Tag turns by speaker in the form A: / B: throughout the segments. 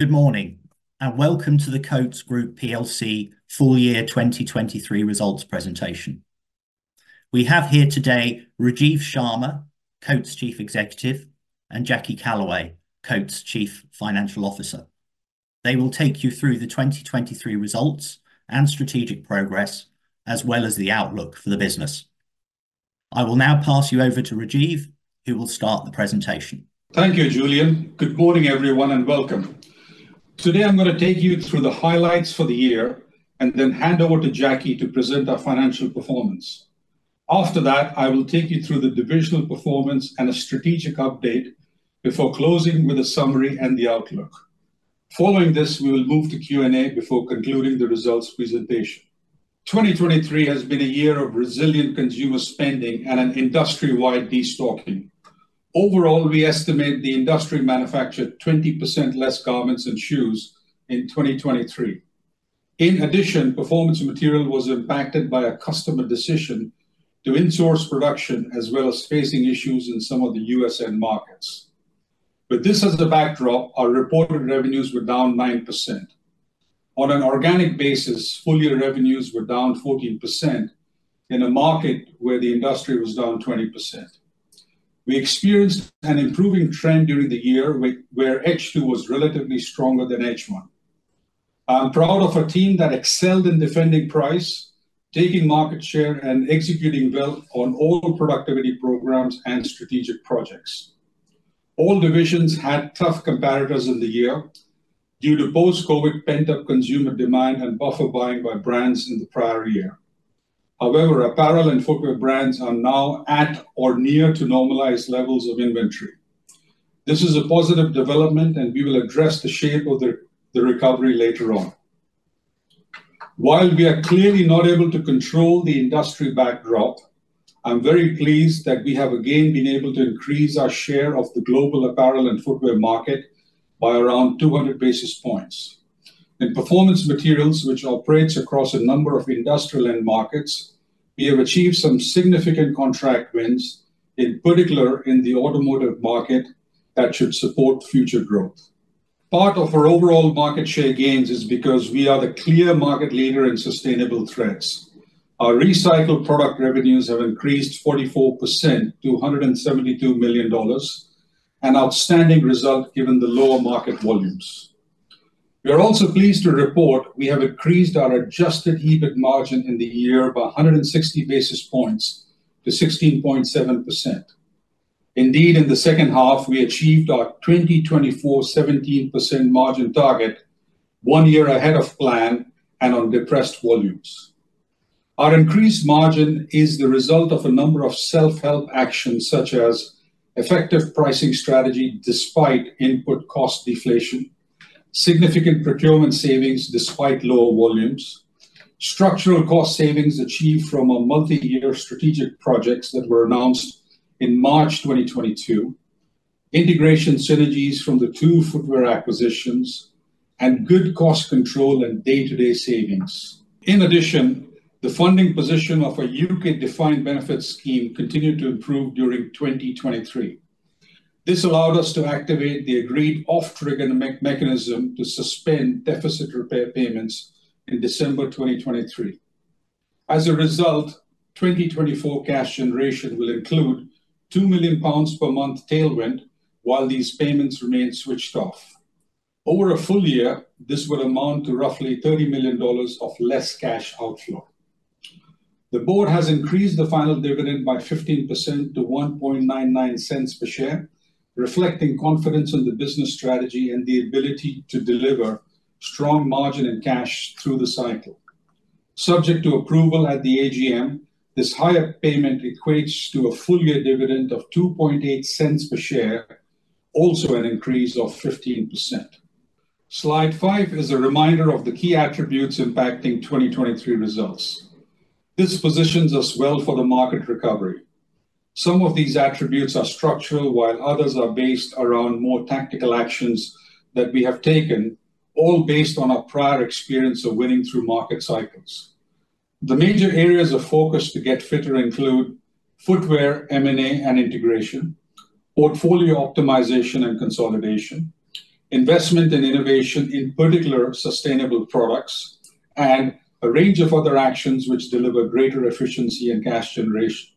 A: Good morning and welcome to the Coats Group PLC full year 2023 results presentation. We have here today Rajiv Sharma, Coats Chief Executive, and Jackie Callaway, Coats Chief Financial Officer. They will take you through the 2023 results and strategic progress, as well as the outlook for the business. I will now pass you over to Rajiv, who will start the presentation.
B: Thank you, Julian. Good morning everyone and welcome. Today I'm going to take you through the highlights for the year and then hand over to Jackie to present our financial performance. After that, I will take you through the divisional performance and a strategic update before closing with a summary and the outlook. Following this, we will move to Q&A before concluding the results presentation. 2023 has been a year of resilient consumer spending and an industry-wide destocking. Overall, we estimate the industry manufactured 20% less garments and shoes in 2023. In addition, performance material was impacted by a customer decision to insource production as well as facing issues in some of the U.S. end markets. With this as a backdrop, our reported revenues were down 9%. On an organic basis, full year revenues were down 14% in a market where the industry was down 20%. We experienced an improving trend during the year where H2 was relatively stronger than H1. I'm proud of a team that excelled in defending price, taking market share, and executing well on all productivity programs and strategic projects. All divisions had tough competitors in the year due to post-COVID pent-up consumer demand and buffer buying by brands in the prior year. However, apparel and footwear brands are now at or near to normalized levels of inventory. This is a positive development and we will address the shape of the recovery later on. While we are clearly not able to control the industry backdrop, I'm very pleased that we have again been able to increase our share of the global apparel and Footwear market by around 200 basis points. In Performance Materials, which operates across a number of industrial end markets, we have achieved some significant contract wins, in particular in the automotive market that should support future growth. Part of our overall market share gains is because we are the clear market leader in sustainable threads. Our recycled product revenues have increased 44% to $172 million, an outstanding result given the lower market volumes. We are also pleased to report we have increased our adjusted EBIT margin in the year by 160 basis points to 16.7%. Indeed, in the second half, we achieved our 2024 17% margin target, one year ahead of plan and on depressed volumes. Our increased margin is the result of a number of self-help actions such as effective pricing strategy despite input cost deflation, significant procurement savings despite lower volumes, structural cost savings achieved from multi-year strategic projects that were announced in March 2022, integration synergies from the two Footwear acquisitions, and good cost control and day-to-day savings. In addition, the funding position of a UK defined benefit scheme continued to improve during 2023. This allowed us to activate the agreed off-trigger mechanism to suspend deficit repair payments in December 2023. As a result, 2024 cash generation will include 2 million pounds per month tailwind while these payments remain switched off. Over a full year, this would amount to roughly $30 million of less cash outflow. The Board has increased the final dividend by 15% to $0.0199 per share, reflecting confidence in the business strategy and the ability to deliver strong margin and cash through the cycle. Subject to approval at the AGM, this higher payment equates to a full year dividend of $0.028 per share, also an increase of 15%. Slide 5 is a reminder of the key attributes impacting 2023 results. This positions us well for the market recovery. Some of these attributes are structural while others are based around more tactical actions that we have taken, all based on our prior experience of winning through market cycles. The major areas of focus to get fitter include Footwear, M&A and integration, portfolio optimization and consolidation, investment and innovation in particular sustainable products, and a range of other actions which deliver greater efficiency and cash generation.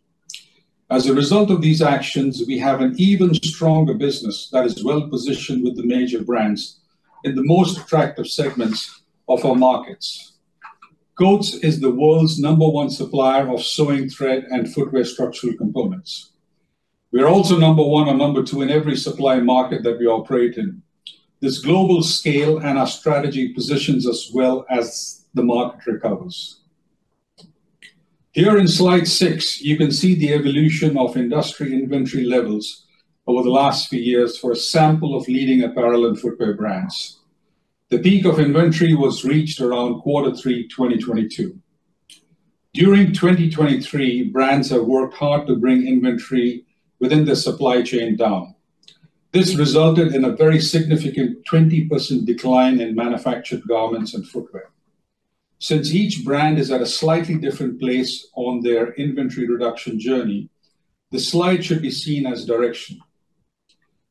B: As a result of these actions, we have an even stronger business that is well positioned with the major brands in the most attractive segments of our markets. Coats is the world's number one supplier of sewing thread and Footwear structural components. We are also number one or number two in every supply market that we operate in. This global scale and our strategy positions us well as the market recovers. Here in slide six, you can see the evolution of industry inventory levels over the last few years for a sample of leading apparel and Footwear brands. The peak of inventory was reached around quarter 3, 2022. During 2023, brands have worked hard to bring inventory within their supply chain down. This resulted in a very significant 20% decline in manufactured garments and Footwear. Since each brand is at a slightly different place on their inventory reduction journey, the slide should be seen as direction.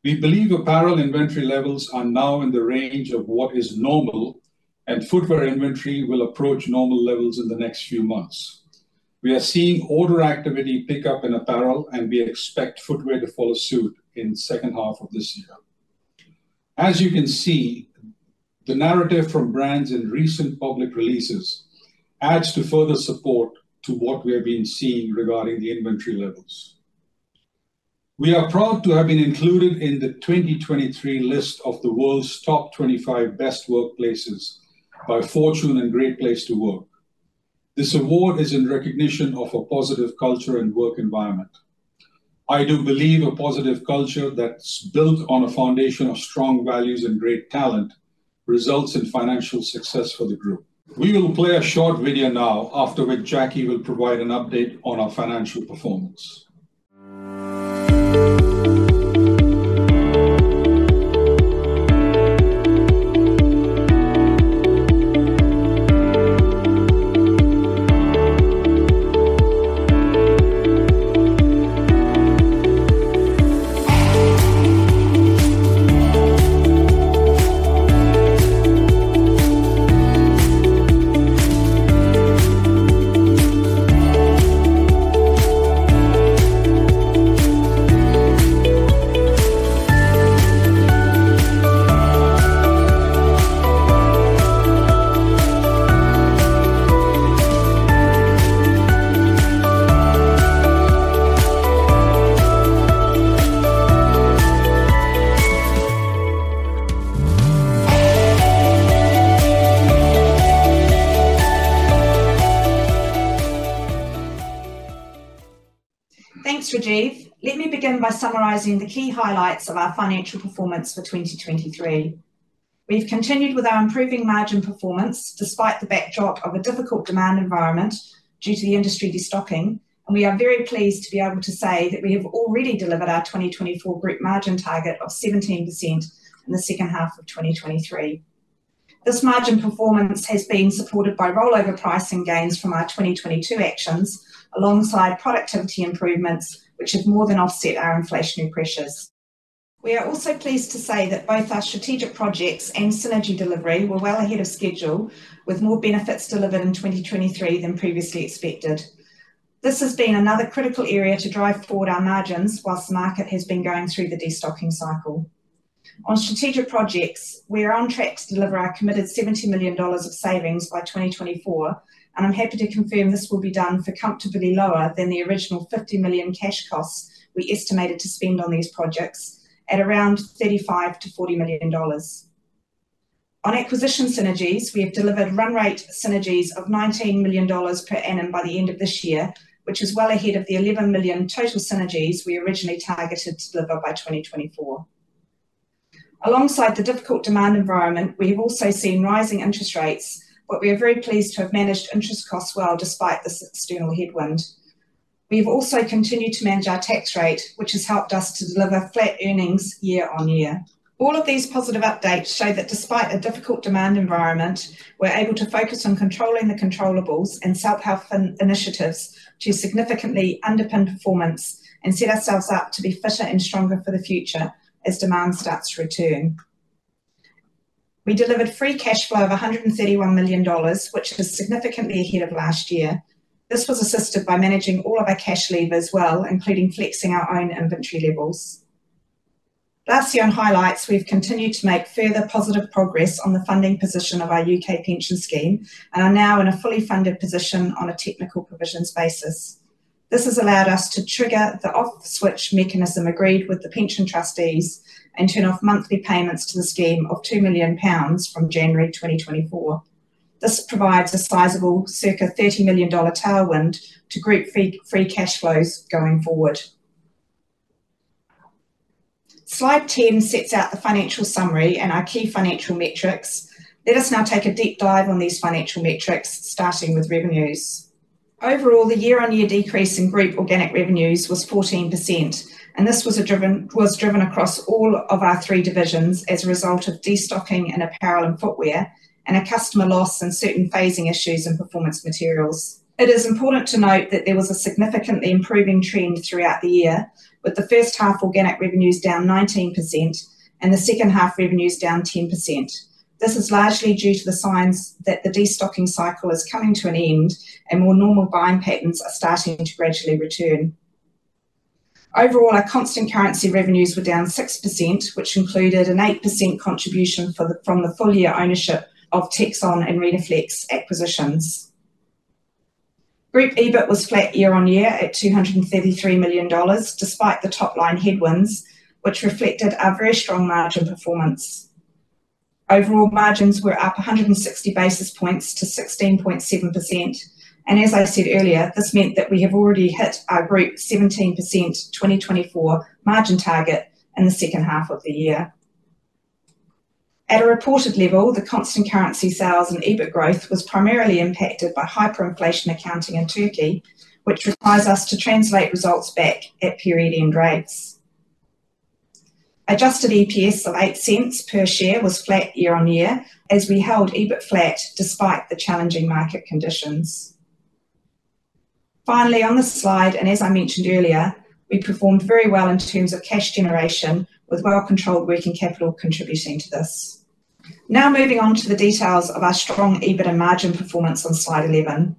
B: We believe apparel inventory levels are now in the range of what is normal, and Footwear inventory will approach normal levels in the next few months. We are seeing order activity pick up in apparel, and we expect Footwear to follow suit in the second half of this year. As you can see, the narrative from brands in recent public releases adds to further support to what we have been seeing regarding the inventory levels. We are proud to have been included in the 2023 list of the world's top 25 best workplaces by Fortune and Great Place to Work. This award is in recognition of a positive culture and work environment. I do believe a positive culture that's built on a foundation of strong values and great talent results in financial success for the group. We will play a short video now, after which Jackie will provide an update on our financial performance.
C: Thanks, Rajiv. Let me begin by summarizing the key highlights of our financial performance for 2023. We've continued with our improving margin performance despite the backdrop of a difficult demand environment due to the industry destocking, and we are very pleased to be able to say that we have already delivered our 2024 group margin target of 17% in the second half of 2023. This margin performance has been supported by rollover pricing gains from our 2022 actions alongside productivity improvements, which have more than offset our inflationary pressures. We are also pleased to say that both our strategic projects and synergy delivery were well ahead of schedule, with more benefits delivered in 2023 than previously expected. This has been another critical area to drive forward our margins while the market has been going through the destocking cycle. On strategic projects, we are on track to deliver our committed $70 million of savings by 2024, and I'm happy to confirm this will be done for comfortably lower than the original $50 million cash costs we estimated to spend on these projects, at around $35-$40 million. On acquisition synergies, we have delivered run rate synergies of $19 million per annum by the end of this year, which is well ahead of the $11 million total synergies we originally targeted to deliver by 2024. Alongside the difficult demand environment, we have also seen rising interest rates, but we are very pleased to have managed interest costs well despite this external headwind. We have also continued to manage our tax rate, which has helped us to deliver flat earnings year on year. All of these positive updates show that despite a difficult demand environment, we're able to focus on controlling the controllables and self-help initiatives to significantly underpin performance and set ourselves up to be fitter and stronger for the future as demand starts to return. We delivered free cash flow of $131 million, which is significantly ahead of last year. This was assisted by managing all of our cash levers well, including flexing our own inventory levels. Last year on highlights, we've continued to make further positive progress on the funding position of our UK pension scheme and are now in a fully funded position on a technical provisions basis. This has allowed us to trigger the off-trigger mechanism agreed with the pension trustees and turn off monthly payments to the scheme of 2 million pounds from January 2024. This provides a sizable, circa $30 million tailwind to group free cash flows going forward. Slide 10 sets out the financial summary and our key financial metrics. Let us now take a deep dive on these financial metrics, starting with revenues. Overall, the year-over-year decrease in group organic revenues was 14%, and this was driven across all of our 3 divisions as a result of destocking in apparel and Footwear and a customer loss and certain phasing issues in Performance Materials. It is important to note that there was a significantly improving trend throughout the year, with the first half organic revenues down 19% and the second half revenues down 10%. This is largely due to the signs that the destocking cycle is coming to an end and more normal buying patterns are starting to gradually return. Overall, our constant currency revenues were down 6%, which included an 8% contribution from the full year ownership of Texon and Rhenoflex acquisitions. Group EBIT was flat year-on-year at $233 million despite the top line headwinds, which reflected our very strong margin performance. Overall margins were up 160 basis points to 16.7%, and as I said earlier, this meant that we have already hit our group 17% 2024 margin target in the second half of the year. At a reported level, the constant currency sales and EBIT growth was primarily impacted by hyperinflation accounting in Turkey, which requires us to translate results back at period end rates. Adjusted EPS of $0.08 per share was flat year-on-year as we held EBIT flat despite the challenging market conditions. Finally, on this slide, and as I mentioned earlier, we performed very well in terms of cash generation, with well-controlled working capital contributing to this. Now moving on to the details of our strong EBIT and margin performance on slide 11.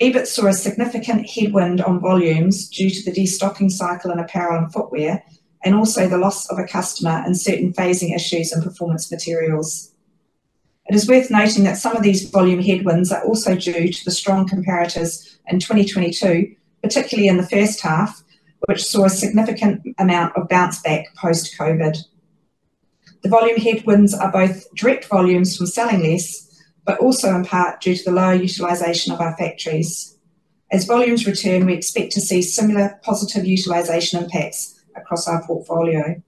C: EBIT saw a significant headwind on volumes due to the destocking cycle in apparel and Footwear and also the loss of a customer and certain phasing issues in Performance Materials. It is worth noting that some of these volume headwinds are also due to the strong comparators in 2022, particularly in the first half, which saw a significant amount of bounce back post-COVID. The volume headwinds are both direct volumes from selling less, but also in part due to the lower utilization of our factories. As volumes return, we expect to see similar positive utilization impacts across our portfolio.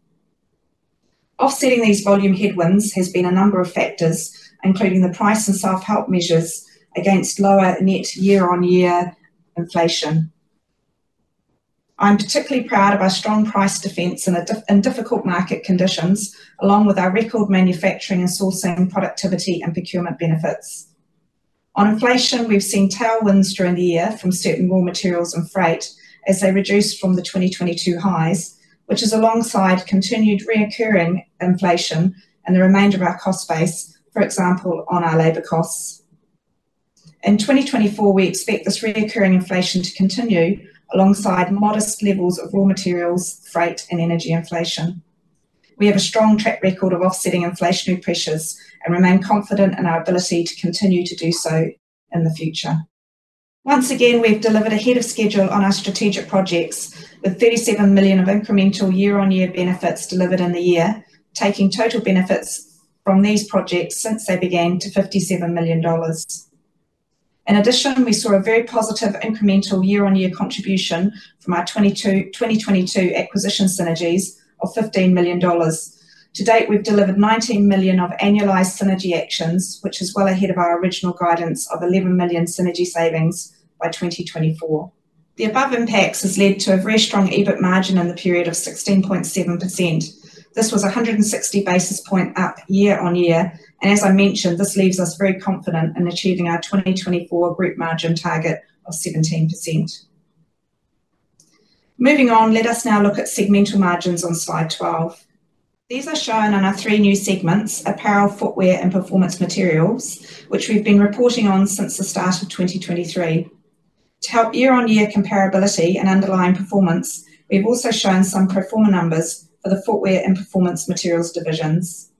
C: Offsetting these volume headwinds has been a number of factors, including the price and self-help measures against lower net year-on-year inflation. I'm particularly proud of our strong price defense in difficult market conditions, along with our record manufacturing and sourcing productivity and procurement benefits. On inflation, we've seen tailwinds during the year from certain raw materials and freight as they reduced from the 2022 highs, which is alongside continued recurring inflation in the remainder of our cost base, for example, on our labor costs. In 2024, we expect this recurring inflation to continue alongside modest levels of raw materials, freight, and energy inflation. We have a strong track record of offsetting inflationary pressures and remain confident in our ability to continue to do so in the future. Once again, we've delivered ahead of schedule on our strategic projects, with $37 million of incremental year-on-year benefits delivered in the year, taking total benefits from these projects since they began to $57 million. In addition, we saw a very positive incremental year-on-year contribution from our 2022 acquisition synergies of $15 million. To date, we've delivered $19 million of annualized synergy actions, which is well ahead of our original guidance of $11 million synergy savings by 2024. The above impacts have led to a very strong EBIT margin in the period of 16.7%. This was 160 basis points up year-on-year, and as I mentioned, this leaves us very confident in achieving our 2024 group margin target of 17%. Moving on, let us now look at segmental margins on slide 12. These are shown on our three new segments, apparel, Footwear, and Performance Materials, which we've been reporting on since the start of 2023. To help year-on-year comparability and underline performance, we've also shown some pro forma numbers for the Footwear and Performance Materials divisions.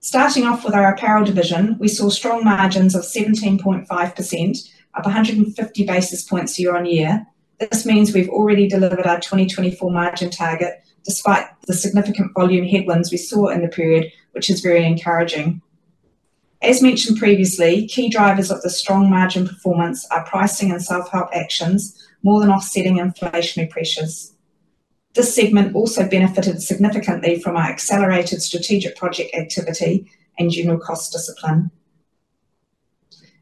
C: Starting off with our apparel division, we saw strong margins of 17.5%, up 150 basis points year-on-year. This means we've already delivered our 2024 margin target despite the significant volume headwinds we saw in the period, which is very encouraging. As mentioned previously, key drivers of the strong margin performance are pricing and self-help actions, more than offsetting inflationary pressures. This segment also benefited significantly from our accelerated strategic project activity and general cost discipline.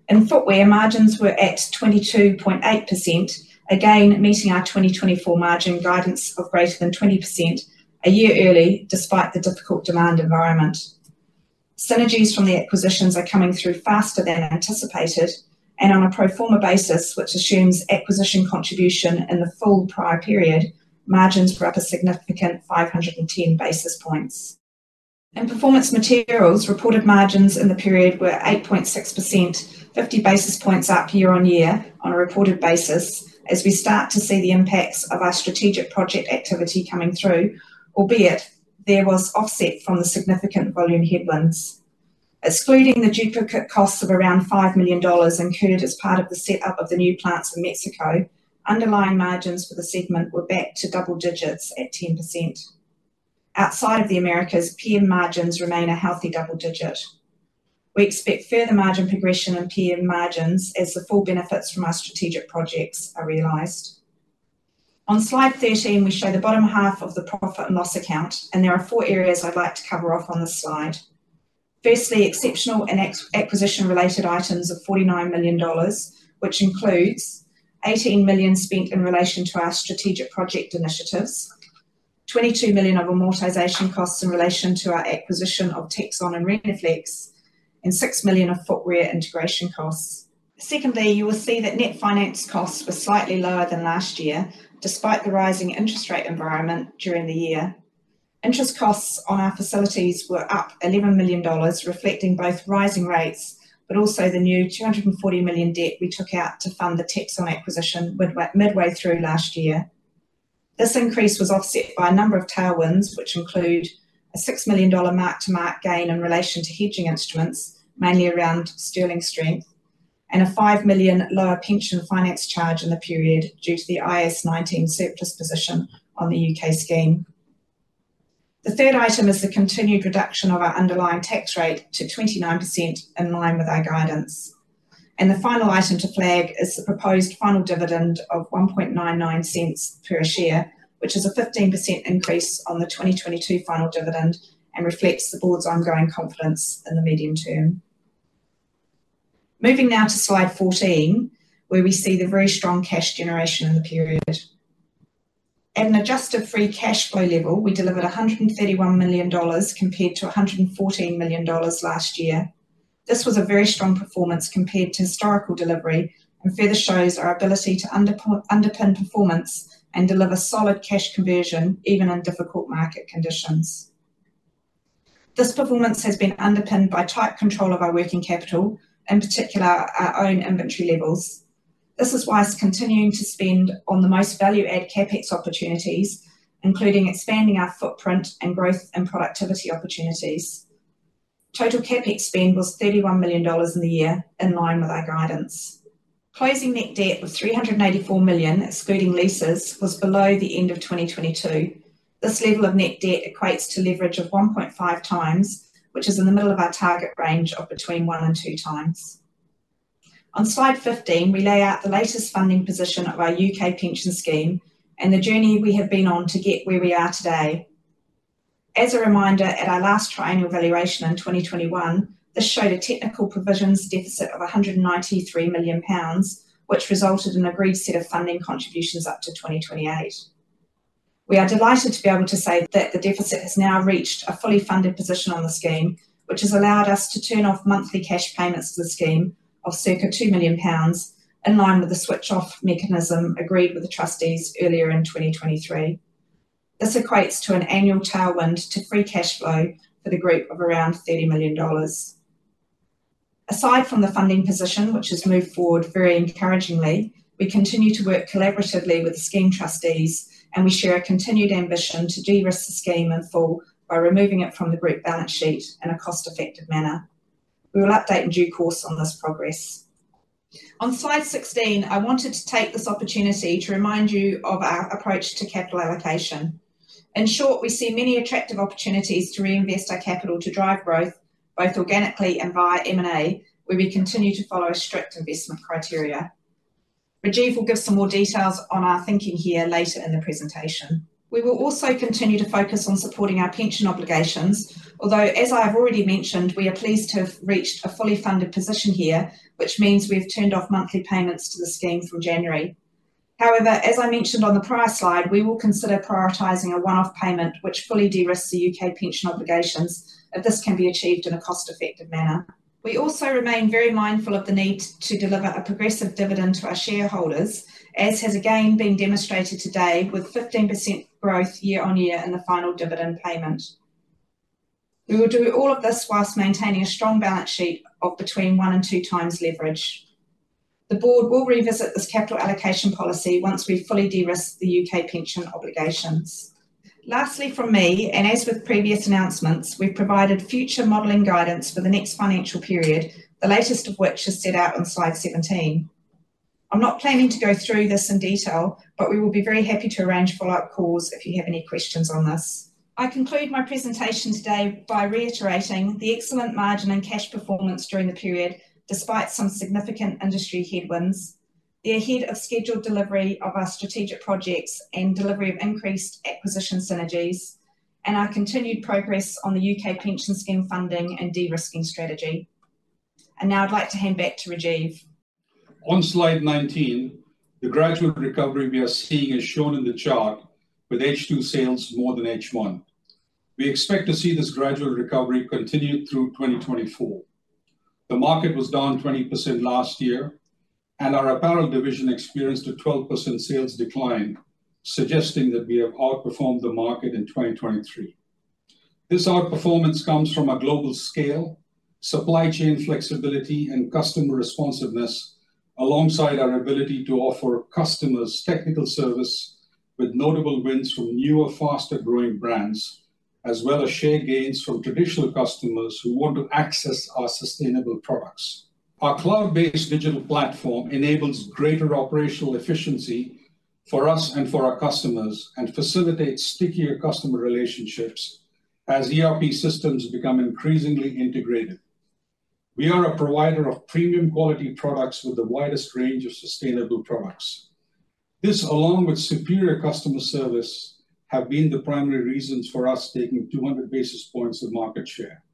C: In Footwear, margins were at 22.8%, again meeting our 2024 margin guidance of greater than 20% a year early despite the difficult demand environment. Synergies from the acquisitions are coming through faster than anticipated, and on a pro forma basis, which assumes acquisition contribution in the full prior period, margins were up a significant 510 basis points. In Performance Materials, reported margins in the period were 8.6%, 50 basis points up year-on-year on a reported basis as we start to see the impacts of our strategic project activity coming through, albeit there was offset from the significant volume headwinds. Excluding the duplicate costs of around $5 million incurred as part of the setup of the new plants in Mexico, underlying margins for the segment were back to double digits at 10%. Outside of the Americas, PM margins remain a healthy double digit. We expect further margin progression in PM margins as the full benefits from our strategic projects are realized. On slide 13, we show the bottom half of the profit and loss account, and there are four areas I'd like to cover off on this slide. Firstly, exceptional and acquisition-related items of $49 million, which includes $18 million spent in relation to our strategic project initiatives, $22 million of amortization costs in relation to our acquisition of Texon and Rhenoflex, and $6 million of Footwear integration costs. Secondly, you will see that net finance costs were slightly lower than last year despite the rising interest rate environment during the year. Interest costs on our facilities were up $11 million, reflecting both rising rates but also the new $240 million debt we took out to fund the Texon acquisition midway through last year. This increase was offset by a number of tailwinds, which include a $6 million mark-to-market gain in relation to hedging instruments, mainly around Sterling strength, and a $5 million lower pension finance charge in the period due to the IAS 19 surplus position on the UK scheme. The third item is the continued reduction of our underlying tax rate to 29% in line with our guidance. The final item to flag is the proposed final dividend of $0.0199 per share, which is a 15% increase on the 2022 final dividend and reflects the Board's ongoing confidence in the medium term. Moving now to slide 14, where we see the very strong cash generation in the period. At an adjusted free cash flow level, we delivered $131 million compared to $114 million last year. This was a very strong performance compared to historical delivery and further shows our ability to underpin performance and deliver solid cash conversion even in difficult market conditions. This performance has been underpinned by tight control of our working capital, in particular our own inventory levels. This is why it's continuing to spend on the most value-added CapEx opportunities, including expanding our footprint and growth and productivity opportunities. Total CapEx spend was $31 million in the year in line with our guidance. Closing net debt of $384 million, excluding leases, was below the end of 2022. This level of net debt equates to leverage of 1.5 times, which is in the middle of our target range of between one and two times. On slide 15, we lay out the latest funding position of our UK pension scheme and the journey we have been on to get where we are today. As a reminder, at our last triennial valuation in 2021, this showed a technical provisions deficit of 193 million pounds, which resulted in an agreed set of funding contributions up to 2028. We are delighted to be able to say that the deficit has now reached a fully funded position on the scheme, which has allowed us to turn off monthly cash payments to the scheme of circa 2 million pounds in line with the switch-off mechanism agreed with the trustees earlier in 2023. This equates to an annual tailwind to free cash flow for the group of around $30 million. Aside from the funding position, which has moved forward very encouragingly, we continue to work collaboratively with the scheme trustees, and we share a continued ambition to de-risk the scheme in full by removing it from the group balance sheet in a cost-effective manner. We will update in due course on this progress. On slide 16, I wanted to take this opportunity to remind you of our approach to capital allocation. In short, we see many attractive opportunities to reinvest our capital to drive growth, both organically and via M&A, where we continue to follow strict investment criteria. Rajiv will give some more details on our thinking here later in the presentation. We will also continue to focus on supporting our pension obligations, although, as I have already mentioned, we are pleased to have reached a fully funded position here, which means we have turned off monthly payments to the scheme from January. However, as I mentioned on the prior slide, we will consider prioritizing a one-off payment which fully de-risks the U.K. pension obligations if this can be achieved in a cost-effective manner. We also remain very mindful of the need to deliver a progressive dividend to our shareholders, as has again been demonstrated today with 15% growth year-over-year in the final dividend payment. We will do all of this whilst maintaining a strong balance sheet of between 1x and 2x leverage. The Board will revisit this capital allocation policy once we've fully de-risked the U.K. pension obligations. Lastly from me, and as with previous announcements, we've provided future modelling guidance for the next financial period, the latest of which is set out on slide 17. I'm not planning to go through this in detail, but we will be very happy to arrange follow-up calls if you have any questions on this. I conclude my presentation today by reiterating the excellent margin and cash performance during the period despite some significant industry headwinds, the ahead of scheduled delivery of our strategic projects and delivery of increased acquisition synergies, and our continued progress on the U.K. pension scheme funding and de-risking strategy. Now I'd like to hand back to Rajiv.
B: On slide 19, the gradual recovery we are seeing is shown in the chart with H2 sales more than H1. We expect to see this gradual recovery continue through 2024. The market was down 20% last year, and our apparel division experienced a 12% sales decline, suggesting that we have outperformed the market in 2023. This outperformance comes from a global scale, supply chain flexibility, and customer responsiveness alongside our ability to offer customers technical service with notable wins from newer, faster-growing brands, as well as share gains from traditional customers who want to access our sustainable products. Our cloud-based digital platform enables greater operational efficiency for us and for our customers and facilitates stickier customer relationships as ERP systems become increasingly integrated. We are a provider of premium quality products with the widest range of sustainable products. This, along with superior customer service, have been the primary reasons for us taking 200 basis points of market share.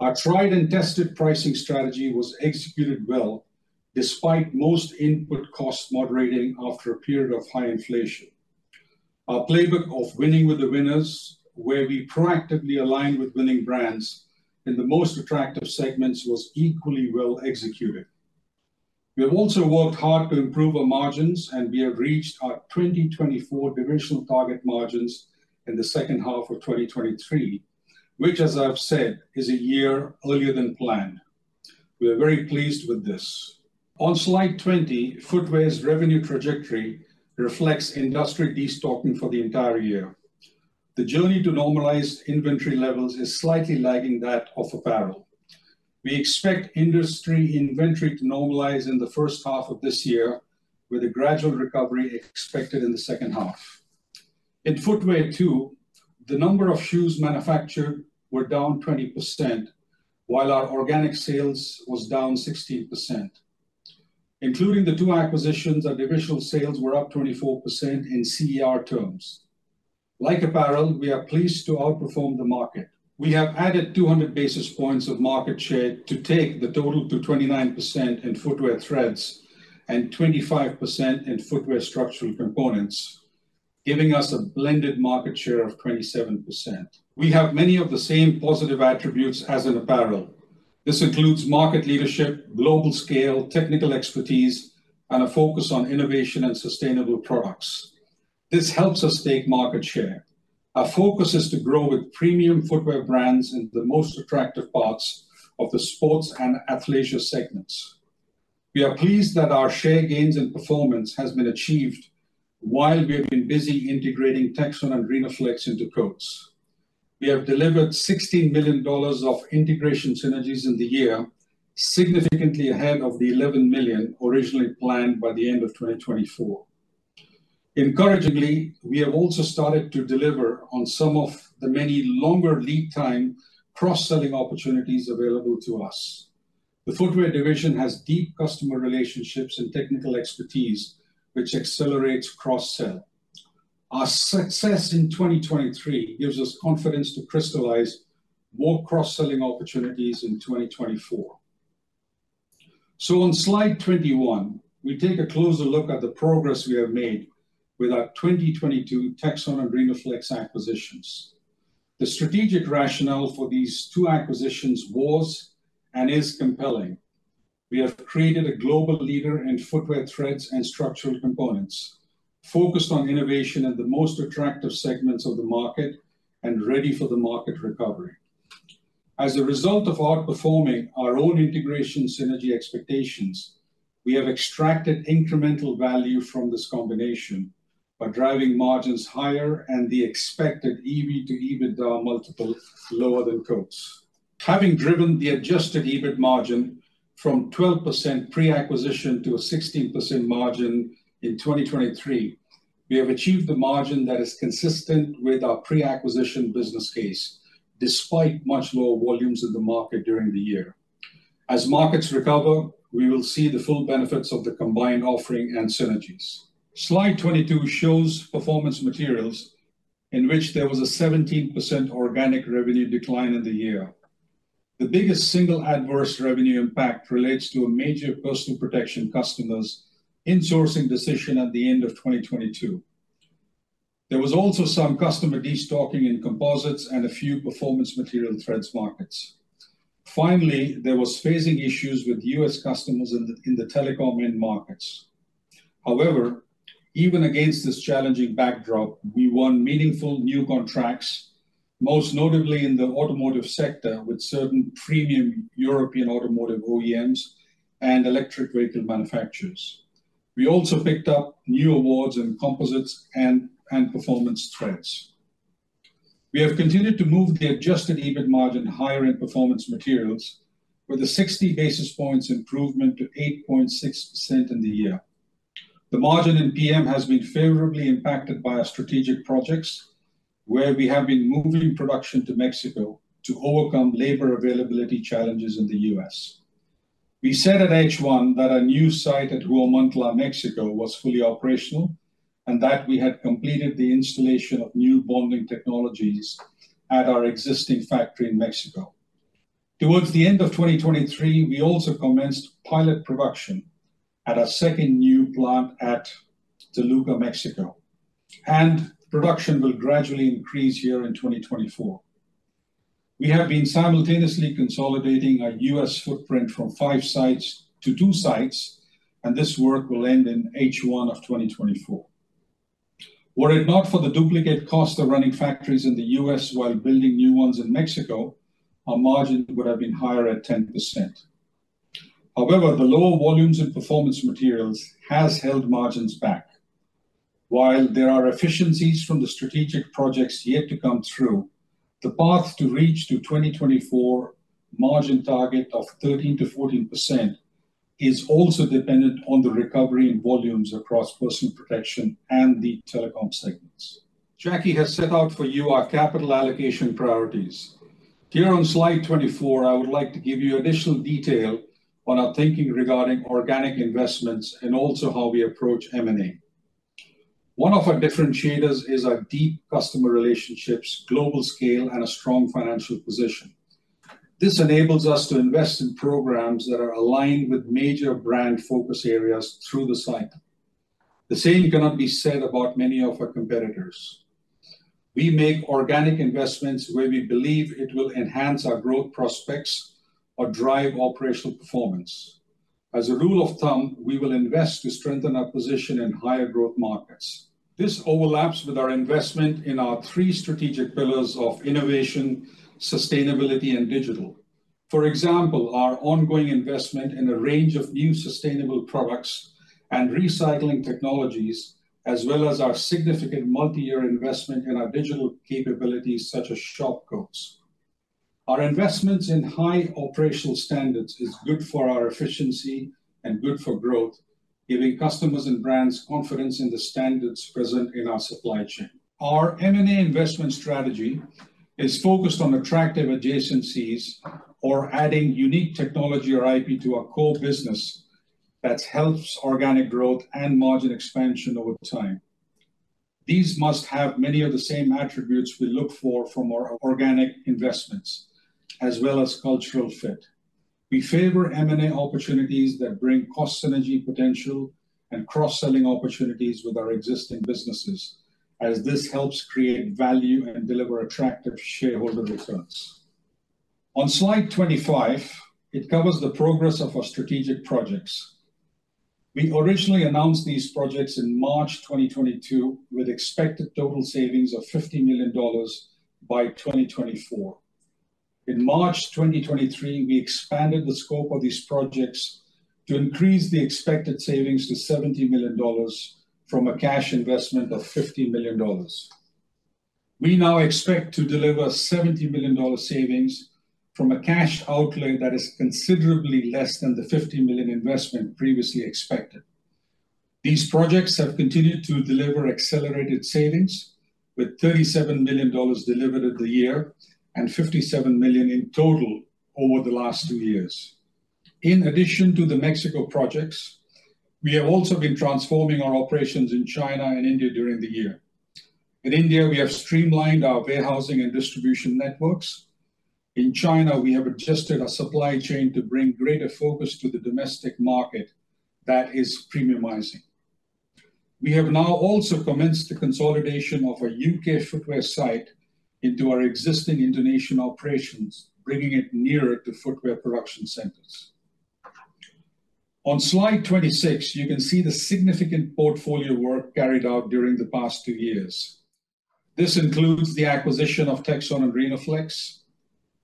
B: Our tried-and-tested pricing strategy was executed well despite most input cost moderating after a period of high inflation. Our playbook of winning with the winners, where we proactively align with winning brands in the most attractive segments, was equally well executed. We have also worked hard to improve our margins, and we have reached our 2024 divisional target margins in the second half of 2023, which, as I've said, is a year earlier than planned. We are very pleased with this. On slide 20, Footwear's revenue trajectory reflects industry destocking for the entire year. The journey to normalized inventory levels is slightly lagging that of apparel. We expect industry inventory to normalize in the first half of this year, with a gradual recovery expected in the second half. In Footwear, too, the number of shoes manufactured were down 20%, while our organic sales was down 16%. Including the two acquisitions, our divisional sales were up 24% in CER terms. Like apparel, we are pleased to outperform the market. We have added 200 basis points of market share to take the total to 29% in Footwear threads and 25% in Footwear structural components, giving us a blended market share of 27%. We have many of the same positive attributes as in apparel. This includes market leadership, global scale, technical expertise, and a focus on innovation and sustainable products. This helps us take market share. Our focus is to grow with premium Footwear brands in the most attractive parts of the sports and athleisure segments. We are pleased that our share gains in performance have been achieved while we have been busy integrating Texon and Rhenoflex into Coats. We have delivered $16 million of integration synergies in the year, significantly ahead of the $11 million originally planned by the end of 2024. Encouragingly, we have also started to deliver on some of the many longer lead-time cross-selling opportunities available to us. The Footwear division has deep customer relationships and technical expertise, which accelerates cross-sell. Our success in 2023 gives us confidence to crystallize more cross-selling opportunities in 2024. So on slide 21, we take a closer look at the progress we have made with our 2022 Texon and Rhenoflex acquisitions. The strategic rationale for these two acquisitions was and is compelling. We have created a global leader in Footwear threads and structural components, focused on innovation in the most attractive segments of the market, and ready for the market recovery. As a result of outperforming our own integration synergy expectations, we have extracted incremental value from this combination by driving margins higher and the expected EBITDA multiple lower than Coats. Having driven the adjusted EBIT margin from 12% pre-acquisition to a 16% margin in 2023, we have achieved the margin that is consistent with our pre-acquisition business case, despite much lower volumes in the market during the year. As markets recover, we will see the full benefits of the combined offering and synergies. Slide 22 shows Performance Materials, in which there was a 17% organic revenue decline in the year. The biggest single adverse revenue impact relates to a major personal protection customers' insourcing decision at the end of 2022. There was also some customer de-stocking in composites and a few performance material threads markets. Finally, there were phasing issues with U.S. customers in the telecom end markets. However, even against this challenging backdrop, we won meaningful new contracts, most notably in the automotive sector with certain premium European automotive OEMs and electric vehicle manufacturers. We also picked up new awards in composites and performance threads. We have continued to move the adjusted EBIT margin higher in Performance Materials, with a 60 basis points improvement to 8.6% in the year. The margin in PM has been favorably impacted by our strategic projects, where we have been moving production to Mexico to overcome labor availability challenges in the U.S. We said at H1 that our new site at Huamantla, Mexico, was fully operational and that we had completed the installation of new bonding technologies at our existing factory in Mexico. Towards the end of 2023, we also commenced pilot production at our second new plant at Toluca, Mexico, and production will gradually increase here in 2024. We have been simultaneously consolidating our U.S. footprint from five sites to two sites, and this work will end in H1 of 2024. Were it not for the duplicate cost of running factories in the U.S. while building new ones in Mexico, our margin would have been higher at 10%. However, the lower volumes in Performance Materials have held margins back. While there are efficiencies from the strategic projects yet to come through, the path to reach the 2024 margin target of 13%-14% is also dependent on the recovery in volumes across personal protection and the telecom segments. Jackie has set out for you our capital allocation priorities. Here on slide 24, I would like to give you additional detail on our thinking regarding organic investments and also how we approach M&A. One of our differentiators is our deep customer relationships, global scale, and a strong financial position. This enables us to invest in programs that are aligned with major brand focus areas through the cycle. The same cannot be said about many of our competitors. We make organic investments where we believe it will enhance our growth prospects or drive operational performance. As a rule of thumb, we will invest to strengthen our position in higher growth markets. This overlaps with our investment in our three strategic pillars of innovation, sustainability, and digital. For example, our ongoing investment in a range of new sustainable products and recycling technologies, as well as our significant multi-year investment in our digital capabilities such as ShopCoats. Our investments in high operational standards are good for our efficiency and good for growth, giving customers and brands confidence in the standards present in our supply chain. Our M&A investment strategy is focused on attractive adjacencies or adding unique technology or IP to our core business that helps organic growth and margin expansion over time. These must have many of the same attributes we look for from our organic investments, as well as cultural fit. We favor M&A opportunities that bring cost synergy potential and cross-selling opportunities with our existing businesses, as this helps create value and deliver attractive shareholder returns. On slide 25, it covers the progress of our strategic projects. We originally announced these projects in March 2022 with expected total savings of $50 million by 2024. In March 2023, we expanded the scope of these projects to increase the expected savings to $70 million from a cash investment of $50 million. We now expect to deliver $70 million savings from a cash outlay that is considerably less than the $50 million investment previously expected. These projects have continued to deliver accelerated savings, with $37 million delivered in the year and $57 million in total over the last two years. In addition to the Mexico projects, we have also been transforming our operations in China and India during the year. In India, we have streamlined our warehousing and distribution networks. In China, we have adjusted our supply chain to bring greater focus to the domestic market that is premiumizing. We have now also commenced the consolidation of a UK Footwear site into our existing international operations, bringing it nearer to Footwear production centers. On slide 26, you can see the significant portfolio work carried out during the past two years. This includes the acquisition of Texon and Rhenoflex,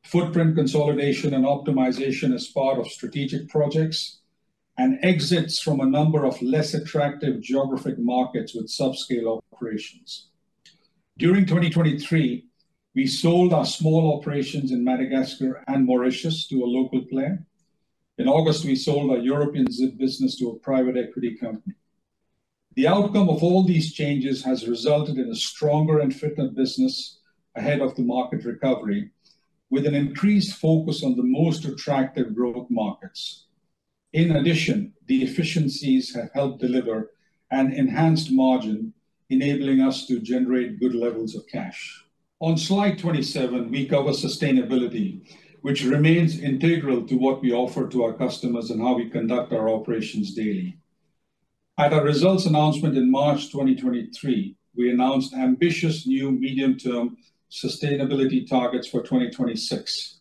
B: footprint consolidation and optimization as part of strategic projects, and exits from a number of less attractive geographic markets with subscale operations. During 2023, we sold our small operations in Madagascar and Mauritius to a local player. In August, we sold our European zip business to a private equity company. The outcome of all these changes has resulted in a stronger and fitter business ahead of the market recovery, with an increased focus on the most attractive growth markets. In addition, the efficiencies have helped deliver an enhanced margin, enabling us to generate good levels of cash. On slide 27, we cover sustainability, which remains integral to what we offer to our customers and how we conduct our operations daily. At our results announcement in March 2023, we announced ambitious new medium-term sustainability targets for 2026.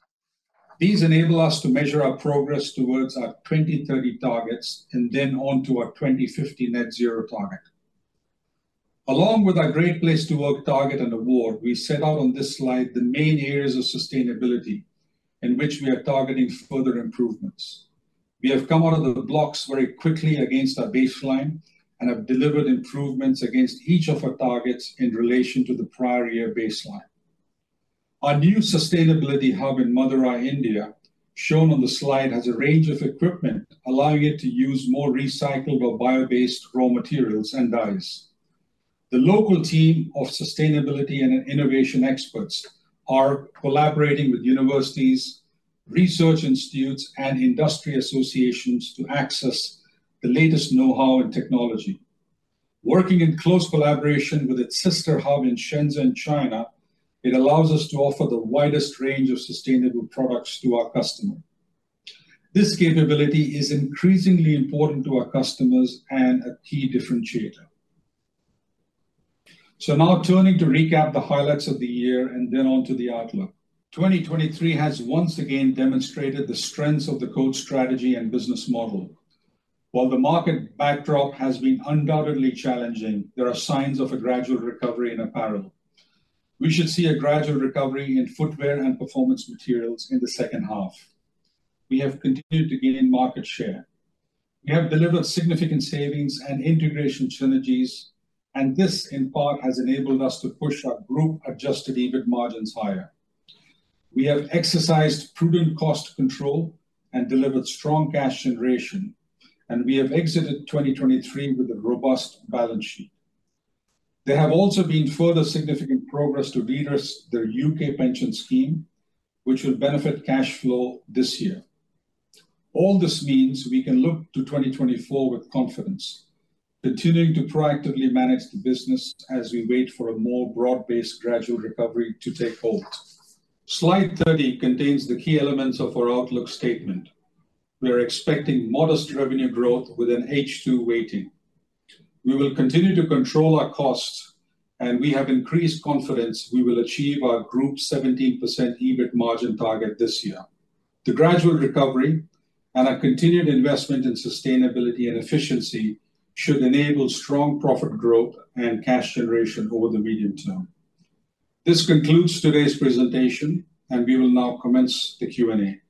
B: These enable us to measure our progress towards our 2030 targets and then onto our 2050 net-zero target. Along with our Great Place to Work target and award, we set out on this slide the main areas of sustainability in which we are targeting further improvements. We have come out of the blocks very quickly against our baseline and have delivered improvements against each of our targets in relation to the prior year baseline. Our new sustainability hub in Madurai, India, shown on the slide, has a range of equipment allowing it to use more recycled or bio-based raw materials and dyes. The local team of sustainability and innovation experts are collaborating with universities, research institutes, and industry associations to access the latest know-how and technology. Working in close collaboration with its sister hub in Shenzhen, China, it allows us to offer the widest range of sustainable products to our customers. This capability is increasingly important to our customers and a key differentiator. So now turning to recap the highlights of the year and then onto the outlook. 2023 has once again demonstrated the strengths of the Coats strategy and business model. While the market backdrop has been undoubtedly challenging, there are signs of a gradual recovery in apparel. We should see a gradual recovery in Footwear and Performance Materials in the second half. We have continued to gain market share. We have delivered significant savings and integration synergies, and this, in part, has enabled us to push our Group-adjusted EBIT margins higher. We have exercised prudent cost control and delivered strong cash generation, and we have exited 2023 with a robust balance sheet. There have also been further significant progress to redress the UK pension scheme, which will benefit cash flow this year. All this means we can look to 2024 with confidence, continuing to proactively manage the business as we wait for a more broad-based gradual recovery to take hold. Slide 30 contains the key elements of our outlook statement. We are expecting modest revenue growth with an H2 weighting. We will continue to control our costs, and we have increased confidence we will achieve our group's 17% EBIT margin target this year. The gradual recovery and our continued investment in sustainability and efficiency should enable strong profit growth and cash generation over the medium term. This concludes today's presentation, and we will now commence the Q&A.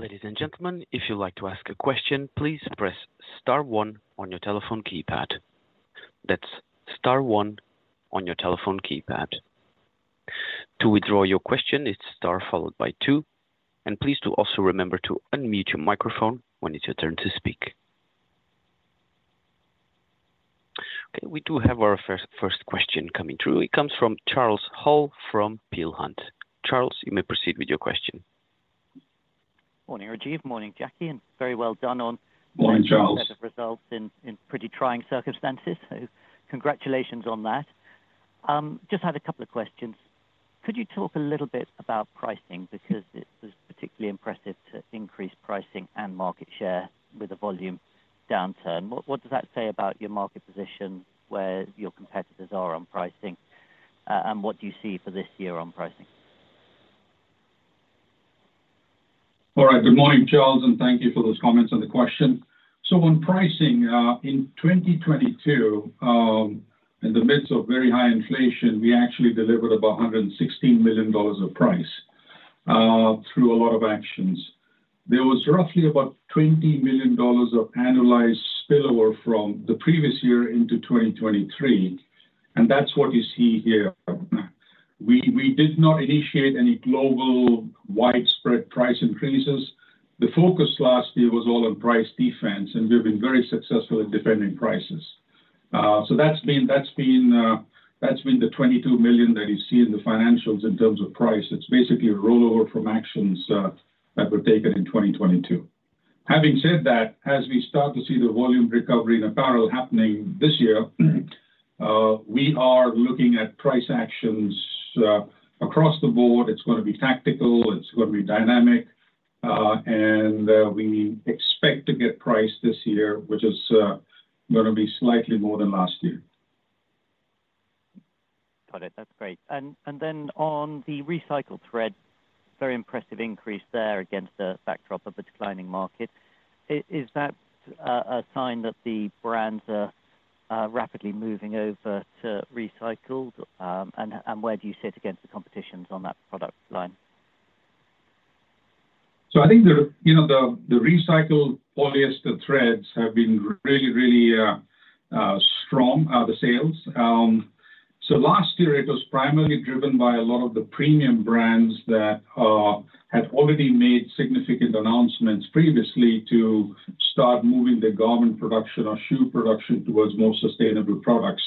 D: Ladies and gentlemen, if you'd like to ask a question, please press star 1 on your telephone keypad. That's star 1 on your telephone keypad. To withdraw your question, it's star followed by 2. And please do also remember to unmute your microphone when it's your turn to speak. Okay, we do have our first question coming through. It comes from Charles Hall from Peel Hunt. Charles, you may proceed with your question.
E: Morning, Rajiv. Morning, Jackie. And very well done on. Morning, Charles. The set of results in pretty trying circumstances. So congratulations on that. Just had a couple of questions. Could you talk a little bit about pricing? Because it was particularly impressive to increase pricing and market share with a volume downturn. What does that say about your market position where your competitors are on pricing? And what do you see for this year on pricing?
B: All right. Good morning, Charles. And thank you for those comments and the question. So on pricing, in 2022, in the midst of very high inflation, we actually delivered about $116 million of price through a lot of actions. There was roughly about $20 million of annualized spillover from the previous year into 2023. And that's what you see here. We did not initiate any global, widespread price increases. The focus last year was all on price defence, and we have been very successful at defending prices. So that's been the $22 million that you see in the financials in terms of price. It's basically a rollover from actions that were taken in 2022. Having said that, as we start to see the volume recovery and apparel happening this year, we are looking at price actions across the board. It's going to be tactical. It's going to be dynamic. And we expect to get price this year, which is going to be slightly more than last year.
E: Got it. That's great. And then on the recycled thread, very impressive increase there against a backdrop of a declining market. Is that a sign that the brands are rapidly moving over to recycled? And where do you sit against the competition on that product line?
B: So I think the recycled polyester threads have been really, really strong, the sales. So last year, it was primarily driven by a lot of the premium brands that had already made significant announcements previously to start moving their garment production or shoe production towards more sustainable products.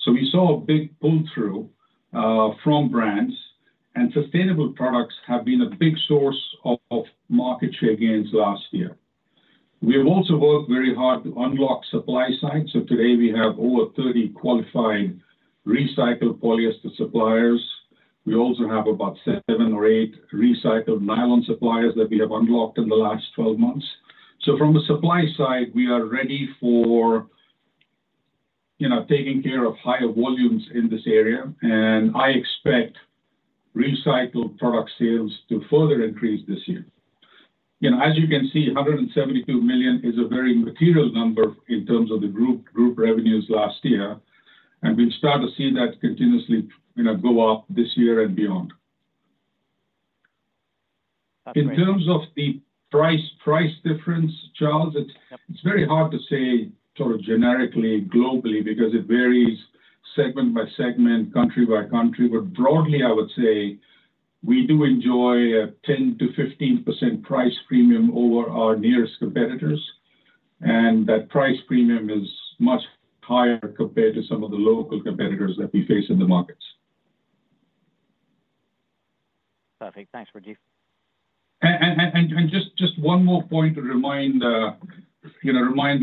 B: So we saw a big pull-through from brands. And sustainable products have been a big source of market share gains last year. We have also worked very hard to unlock supply side. So today, we have over 30 qualified recycled polyester suppliers. We also have about seven or eight recycled nylon suppliers that we have unlocked in the last 12 months. So from the supply side, we are ready for taking care of higher volumes in this area. And I expect recycled product sales to further increase this year. As you can see, $172 million is a very material number in terms of the group revenues last year. We'll start to see that continuously go up this year and beyond. In terms of the price difference, Charles, it's very hard to say sort of generically, globally, because it varies segment by segment, country by country. But broadly, I would say we do enjoy a 10%-15% price premium over our nearest competitors. And that price premium is much higher compared to some of the local competitors that we face in the markets.
E: Perfect. Thanks, Rajiv.
B: And just one more point to remind the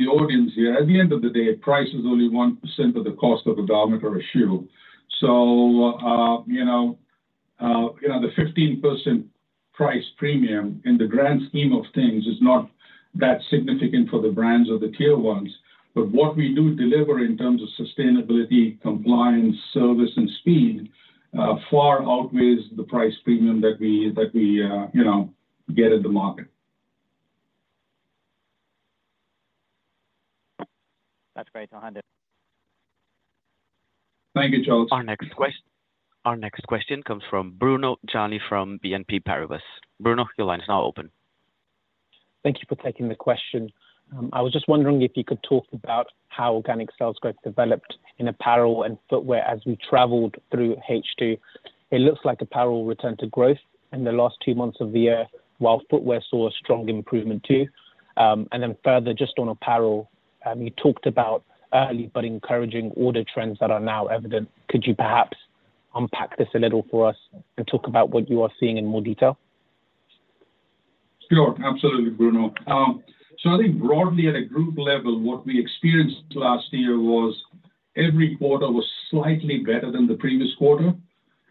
B: audience here. At the end of the day, price is only 1% of the cost of a garment or a shoe. So the 15% price premium in the grand scheme of things is not that significant for the brands or the tier ones. But what we do deliver in terms of sustainability, compliance, service, and speed far outweighs the price premium that we get in the market.
E: That's great, Hannah Nichols.
B: Thank you, Charles.
D: Our next question comes from Bruno Charlier from BNP Paribas. Bruno, your line is now open.
F: Thank you for taking the question. I was just wondering if you could talk about how organic sales growth developed in apparel and Footwear as we traveled through H2. It looks like apparel returned to growth in the last two months of the year while Footwear saw a strong improvement too. And then further, just on apparel, you talked about early but encouraging order trends that are now evident. Could you perhaps unpack this a little for us and talk about what you are seeing in more detail?
B: Sure. Absolutely, Bruno. So I think broadly, at a group level, what we experienced last year was every quarter was slightly better than the previous quarter.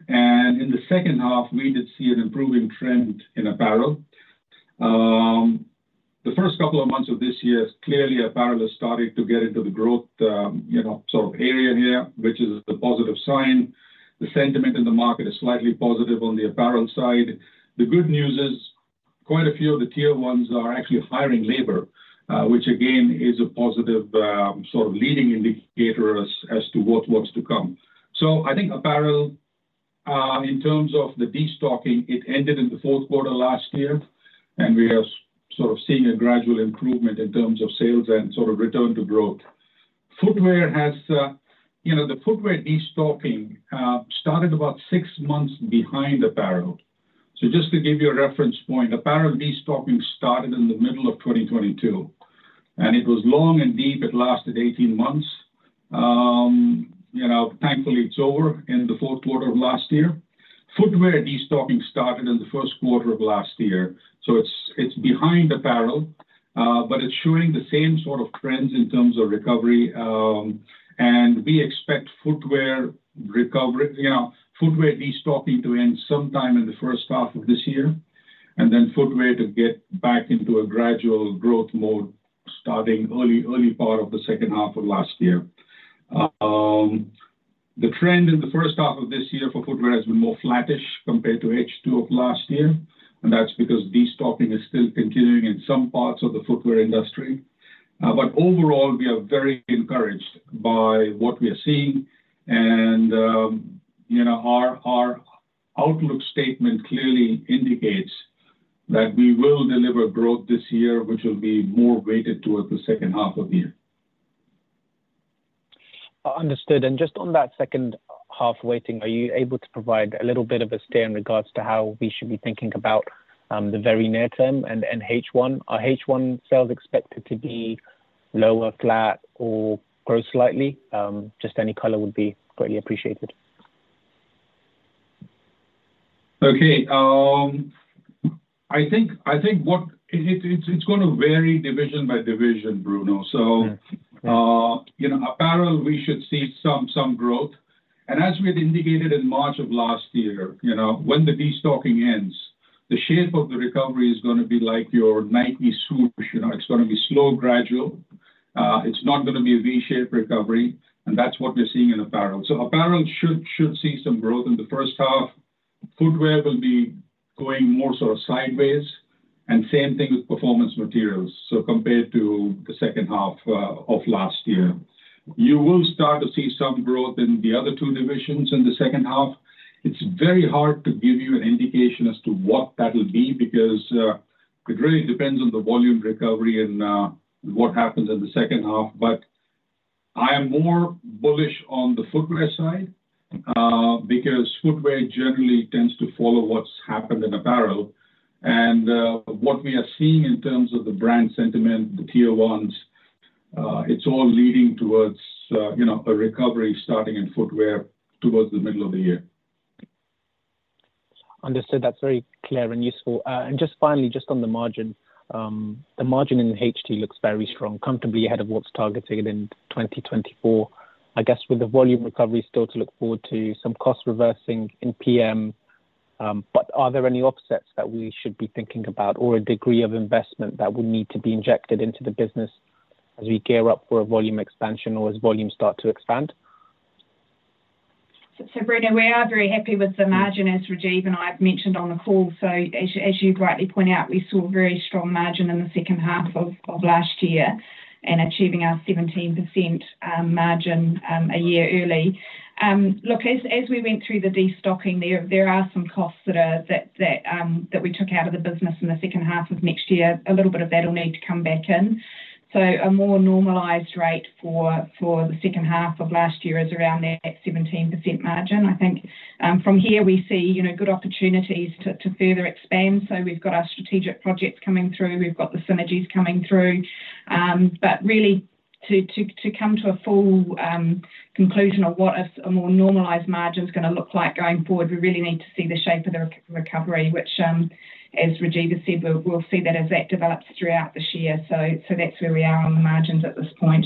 B: And in the second half, we did see an improving trend in apparel. The first couple of months of this year, clearly, apparel has started to get into the growth sort of area here, which is a positive sign. The sentiment in the market is slightly positive on the apparel side. The good news is quite a few of the Tier 1s are actually hiring labor, which, again, is a positive sort of leading indicator as to what's to come. So I think apparel, in terms of the destocking, it ended in the fourth quarter last year. And we are sort of seeing a gradual improvement in terms of sales and sort of return to growth. Footwear has the Footwear destocking started about six months behind apparel. So just to give you a reference point, apparel destocking started in the middle of 2022. It was long and deep. It lasted 18 months. Thankfully, it's over in the fourth quarter of last year. Footwear destocking started in the first quarter of last year. It's behind apparel, but it's showing the same sort of trends in terms of recovery. We expect Footwear restocking to end sometime in the first half of this year and then Footwear to get back into a gradual growth mode starting early part of the second half of last year. The trend in the first half of this year for Footwear has been more flattish compared to H2 of last year. That's because destocking is still continuing in some parts of the Footwear industry. Overall, we are very encouraged by what we are seeing. Our outlook statement clearly indicates that we will deliver growth this year, which will be more weighted towards the second half of the year.
F: Understood. Just on that second half weighting, are you able to provide a little bit of a steer in regard to how we should be thinking about the very near term and H1? Are H1 sales expected to be lower, flat, or grow slightly? Just any color would be greatly appreciated.
B: Okay. I think it's going to vary division by division, Bruno. So apparel, we should see some growth. As we had indicated in March of last year, when the destocking ends, the shape of the recovery is going to be like your Nike Swoosh. It's going to be slow, gradual. It's not going to be a V-shaped recovery. That's what we're seeing in apparel. Apparel should see some growth in the first half. Footwear will be going more sort of sideways. Same thing with Performance Materials compared to the second half of last year. You will start to see some growth in the other two divisions in the second half. It's very hard to give you an indication as to what that'll be because it really depends on the volume recovery and what happens in the second half. But I am more bullish on the Footwear side because Footwear generally tends to follow what's happened in apparel. What we are seeing in terms of the brand sentiment, the Tier 1s, it's all leading towards a recovery starting in Footwear towards the middle of the year.
F: Understood. That's very clear and useful. Just finally, just on the margin, the margin in H2 looks very strong, comfortably ahead of what's targeted in 2024, I guess, with the volume recovery still to look forward to, some cost reversing in PM. But are there any offsets that we should be thinking about or a degree of investment that would need to be injected into the business as we gear up for a volume expansion or as volumes start to expand?
C: So Bruno, we are very happy with the margin, as Rajiv and I have mentioned on the call. So as you rightly point out, we saw a very strong margin in the second half of last year and achieving our 17% margin a year early. Look, as we went through the destocking, there are some costs that we took out of the business in the second half of next year. A little bit of that will need to come back in. So a more normalized rate for the second half of last year is around that 17% margin. I think from here, we see good opportunities to further expand. So we've got our strategic projects coming through. We've got the synergies coming through. But really, to come to a full conclusion of what a more normalized margin's going to look like going forward, we really need to see the shape of the recovery, which, as Rajiv has said, we'll see that as that develops throughout this year. So that's where we are on the margins at this point.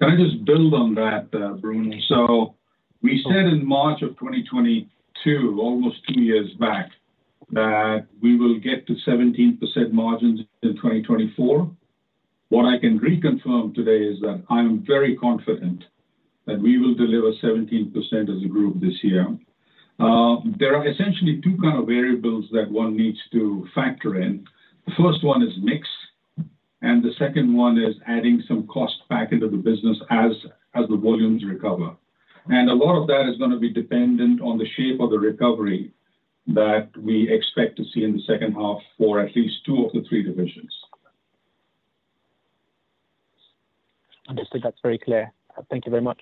B: Can I just build on that, Bruno? So we said in March of 2022, almost two years back, that we will get to 17% margins in 2024. What I can reconfirm today is that I am very confident that we will deliver 17% as a group this year. There are essentially two kind of variables that one needs to factor in. The first one is mix. And the second one is adding some cost back into the business as the volumes recover. And a lot of that is going to be dependent on the shape of the recovery that we expect to see in the second half for at least two of the three divisions.
F: Understood. That's very clear. Thank you very much.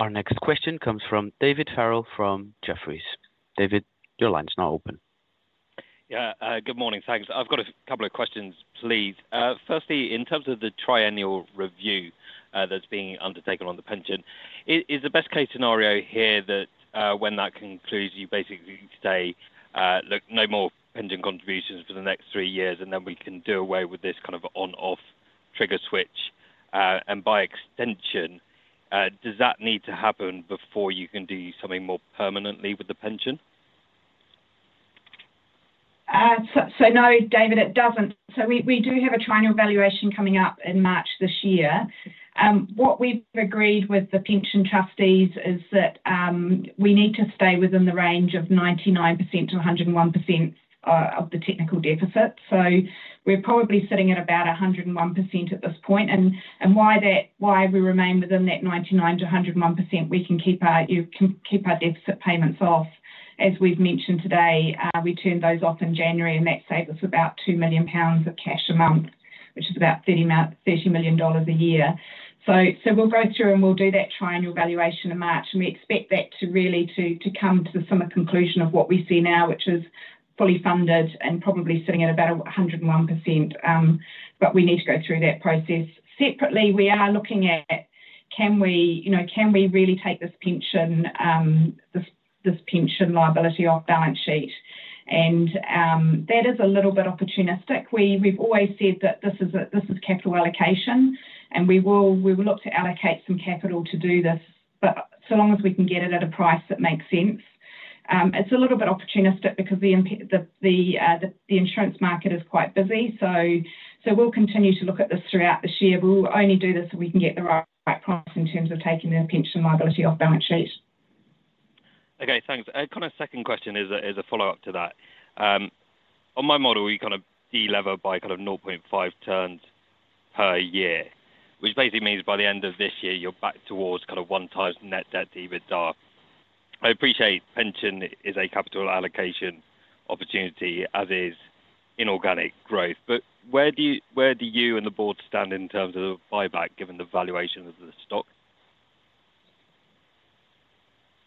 D: Our next question comes from David Farrell from Jefferies. David, your line is now open.
G: Yeah. Good morning. Thanks. I've got a couple of questions, please. Firstly, in terms of the triennial review that's being undertaken on the pension, is the best-case scenario here that when that concludes, you basically say, "Look, no more pension contributions for the next three years, and then we can do away with this kind of on-off trigger switch." And by extension, does that need to happen before you can do something more permanently with the pension?
C: No, David, it doesn't. We do have a triennial valuation coming up in March this year. What we've agreed with the pension trustees is that we need to stay within the range of 99%-101% of the technical provisions. We're probably sitting at about 101% at this point. And while we remain within that 99%-101%, we can keep our deficit payments off. As we've mentioned today, we turned those off in January, and that saved us about 2 million pounds of cash a month, which is about $30 million a year. So we'll go through, and we'll do that triennial valuation in March. And we expect that to really come to the summer conclusion of what we see now, which is fully funded and probably sitting at about 101%. But we need to go through that process. Separately, we are looking at, "Can we really take this pension liability off balance sheet?" And that is a little bit opportunistic. We've always said that this is capital allocation, and we will look to allocate some capital to do this so long as we can get it at a price that makes sense. It's a little bit opportunistic because the insurance market is quite busy. So we'll continue to look at this throughout the year. We'll only do this if we can get the right price in terms of taking the pension liability off balance sheet.
G: Okay. Thanks. Kind of second question is a follow-up to that. On my model, we kind of de-lever by kind of 0.5 turns per year, which basically means by the end of this year, you're back towards kind of 1x net debt to EBITDA. I appreciate pension is a capital allocation opportunity as is inorganic growth. But where do you and the Board stand in terms of buyback given the valuation of the stock?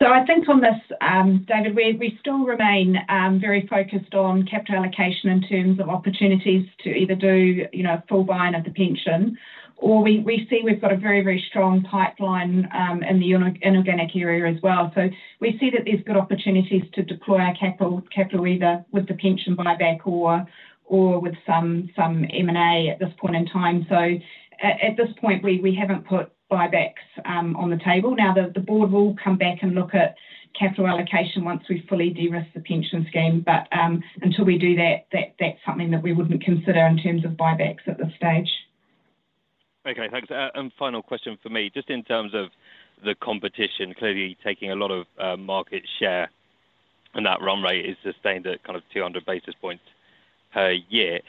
C: So I think on this, David, we still remain very focused on capital allocation in terms of opportunities to either do a full buy-in of the pension or we see we've got a very, very strong pipeline in the inorganic area as well. So we see that there's good opportunities to deploy our capital either with the pension buyback or with some M&A at this point in time. So at this point, we haven't put buybacks on the table. Now, the Board will come back and look at capital allocation once we fully de-risk the pension scheme. But until we do that, that's something that we wouldn't consider in terms of buybacks at this stage.
G: Okay. Thanks. And final question for me. Just in terms of the competition, clearly taking a lot of market share, and that run rate is sustained at kind of 200 basis points per year.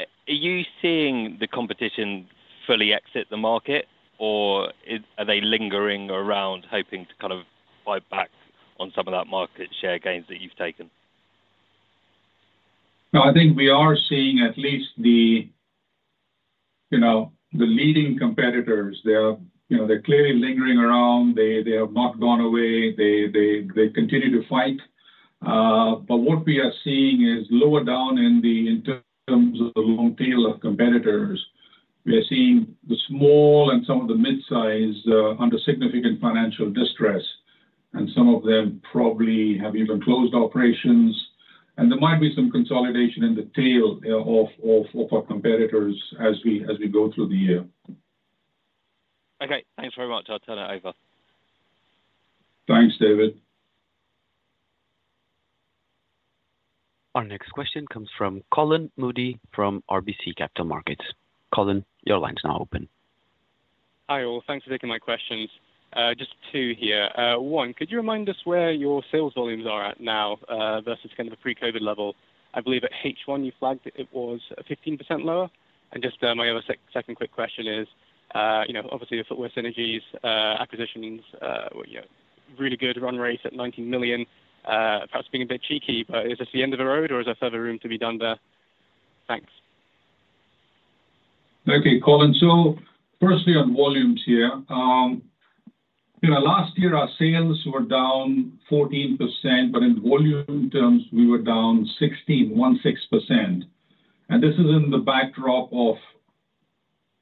G: Are you seeing the competition fully exit the market, or are they lingering around hoping to kind of buy back on some of that market share gains that you've taken?
B: No, I think we are seeing at least the leading competitors, they're clearly lingering around. They have not gone away. They continue to fight. But what we are seeing is lower down in terms of the long tail of competitors, we are seeing the small and some of the midsize under significant financial distress. And some of them probably have even closed operations. And there might be some consolidation in the tail of our competitors as we go through the year.
G: Okay. Thanks very much. I'll turn it over.
B: Thanks, David.
D: Our next question comes from Colin Moody from RBC Capital Markets. Colin, your line is now open.
H: Hi all. Thanks for taking my questions. Just two here. One, could you remind us where your sales volumes are at now versus kind of the pre-COVID level? I believe at H1, you flagged it was 15% lower. And just my other second quick question is, obviously, the Footwear synergies acquisitions, really good run rate at $19 million, perhaps being a bit cheeky, but is this the end of the road, or is there further room to be done there? Thanks.
B: Okay, Colin. So firstly, on volumes here, last year, our sales were down 14%, but in volume terms, we were down 16.16%. And this is in the backdrop of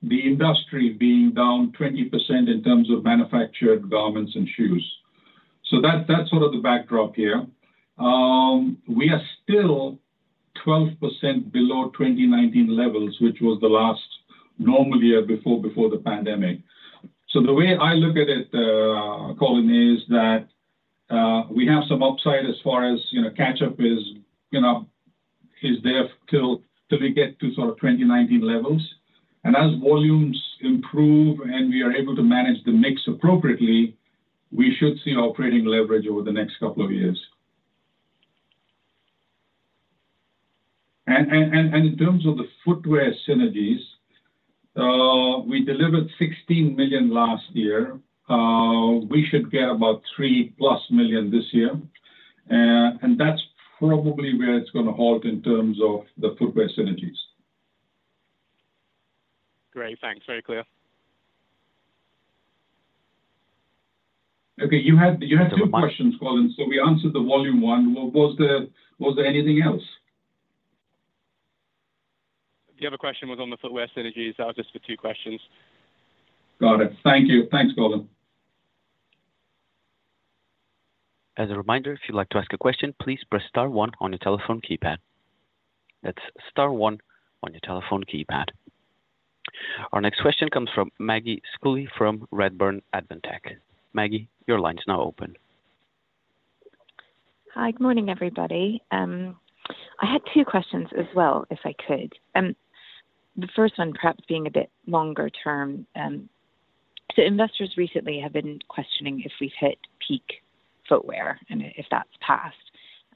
B: the industry being down 20% in terms of manufactured garments and shoes. So that's sort of the backdrop here. We are still 12% below 2019 levels, which was the last normal year before the pandemic. So the way I look at it, Colin, is that we have some upside as far as catch-up is there till we get to sort of 2019 levels.
C: As volumes improve and we are able to manage the mix appropriately, we should see operating leverage over the next couple of years. In terms of the Footwear synergies, we delivered $16 million last year. We should get about $3-plus million this year. And that's probably where it's going to halt in terms of the Footwear synergies.
H: Great. Thanks. Very clear.
B: Okay. You had two questions, Colin. So we answered the volume one. Was there anything else?
H: The other question was on the Footwear synergies. That was just for two questions.
B: Got it. Thank you. Thanks, Colin.
D: As a reminder, if you'd like to ask a question, please press star one on your telephone keypad. That's star 1 on your telephone keypad. Our next question comes from Maggie Schooley from Redburn Atlantic. Maggie, your line is now open.
I: Hi. Good morning, everybody. I had two questions as well, if I could. The first one, perhaps being a bit longer term. So investors recently have been questioning if we've hit peak Footwear and if that's passed,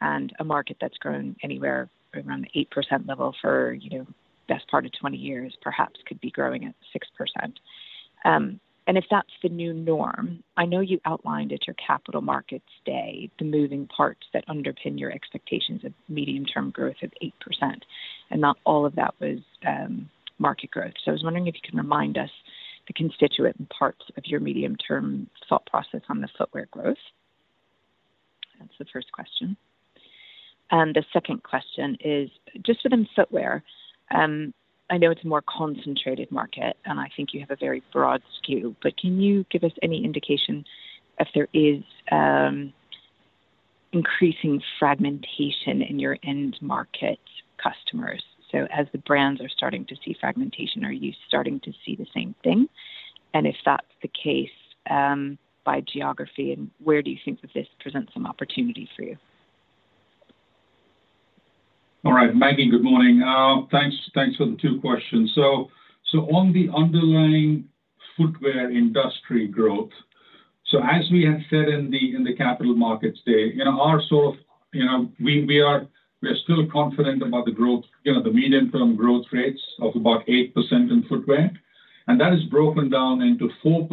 I: and a market that's grown anywhere around the 8% level for the best part of 20 years perhaps could be growing at 6%. And if that's the new norm, I know you outlined at your Capital Markets Day the moving parts that underpin your expectations of medium-term growth of 8%. And not all of that was market growth. So I was wondering if you could remind us the constituent parts of your medium-term thought process on the Footwear growth. That's the first question. And the second question is, just within Footwear, I know it's a more concentrated market, and I think you have a very broad skew. But can you give us any indication if there is increasing fragmentation in your end market customers? So as the brands are starting to see fragmentation, are you starting to see the same thing? And if that's the case, by geography, where do you think that this presents some opportunity for you?
B: All right. Maggie, good morning. Thanks for the two questions. So on the underlying Footwear industry growth, so as we had said in the Capital Markets Day, our sort of we are still confident about the medium-term growth rates of about 8% in Footwear. And that is broken down into 4%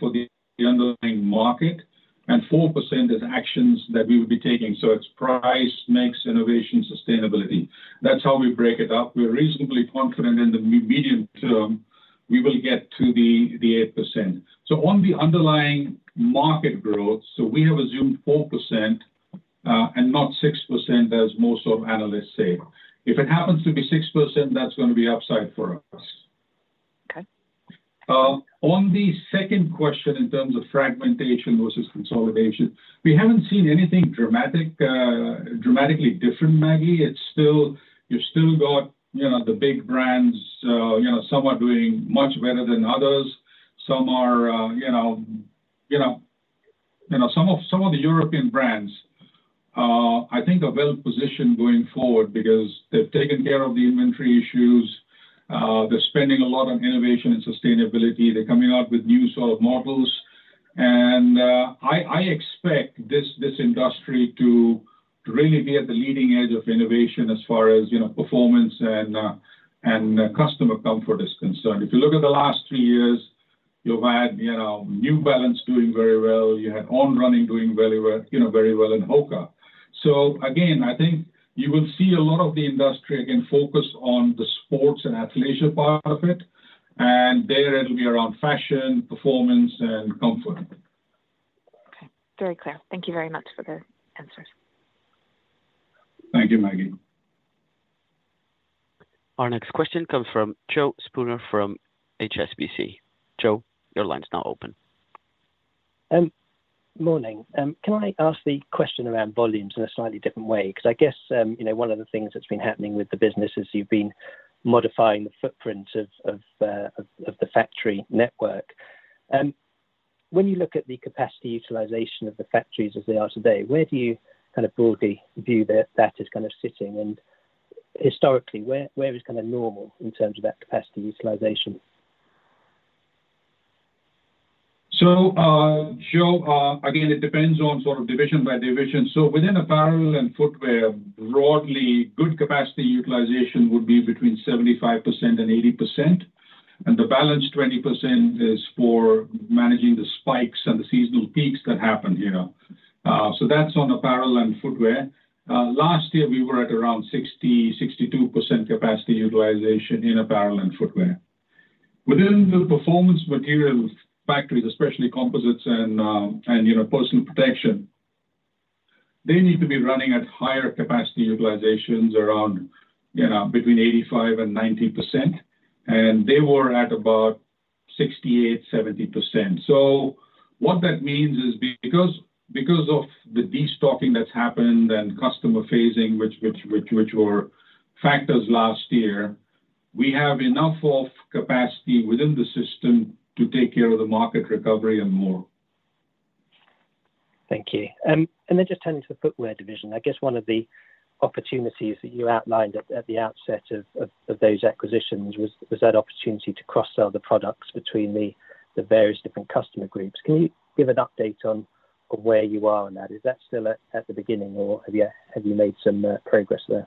B: for the underlying market and 4% as actions that we would be taking. So it's price, mix, innovation, sustainability. That's how we break it up. We're reasonably confident in the medium term, we will get to the 8%. So on the underlying market growth, so we have assumed 4% and not 6%, as most sort of analysts say. If it happens to be 6%, that's going to be upside for us. On the second question in terms of fragmentation versus consolidation, we haven't seen anything dramatically different, Maggie. You've still got the big brands. Some are doing much better than others. Some are some of the European brands, I think, are well-positioned going forward because they've taken care of the inventory issues. They're spending a lot on innovation and sustainability. They're coming out with new sort of models. And I expect this industry to really be at the leading edge of innovation as far as performance and customer comfort is concerned. If you look at the last three years, you've had New Balance doing very well. You had On Running doing very well and Hoka.
C: So again, I think you will see a lot of the industry, again, focus on the sports and athleisure part of it. And there, it'll be around fashion, performance, and comfort.
I: Okay. Very clear. Thank you very much for the answers.
B: Thank you, Maggie.
D: Our next question comes from Joe Spooner from HSBC. Joe, your line is now open.
J: Good morning. Can I ask the question around volumes in a slightly different way? Because I guess one of the things that's been happening with the business is you've been modifying the footprint of the factory network. When you look at the capacity utilization of the factories as they are today, where do you kind of broadly view that that is kind of sitting? And historically, where is kind of normal in terms of that capacity utilization?
B: So Joe, again, it depends on sort of division by division. So within Apparel and Footwear, broadly, good capacity utilization would be between 75% and 80%. And the balanced 20% is for managing the spikes and the seasonal peaks that happen here. So that's on Apparel and Footwear. Last year, we were at around 60-62% capacity utilization in Apparel and Footwear. Within the Performance Materials factories, especially composites and personal protection, they need to be running at higher capacity utilizations around between 85% and 90%. And they were at about 68-70%. So what that means is because of the destocking that's happened and customer phasing, which were factors last year, we have enough capacity within the system to take care of the market recovery and more.
J: Thank you. Then just turning to the Footwear division, I guess one of the opportunities that you outlined at the outset of those acquisitions was that opportunity to cross-sell the products between the various different customer groups. Can you give an update on where you are on that? Is that still at the beginning, or have you made some progress there?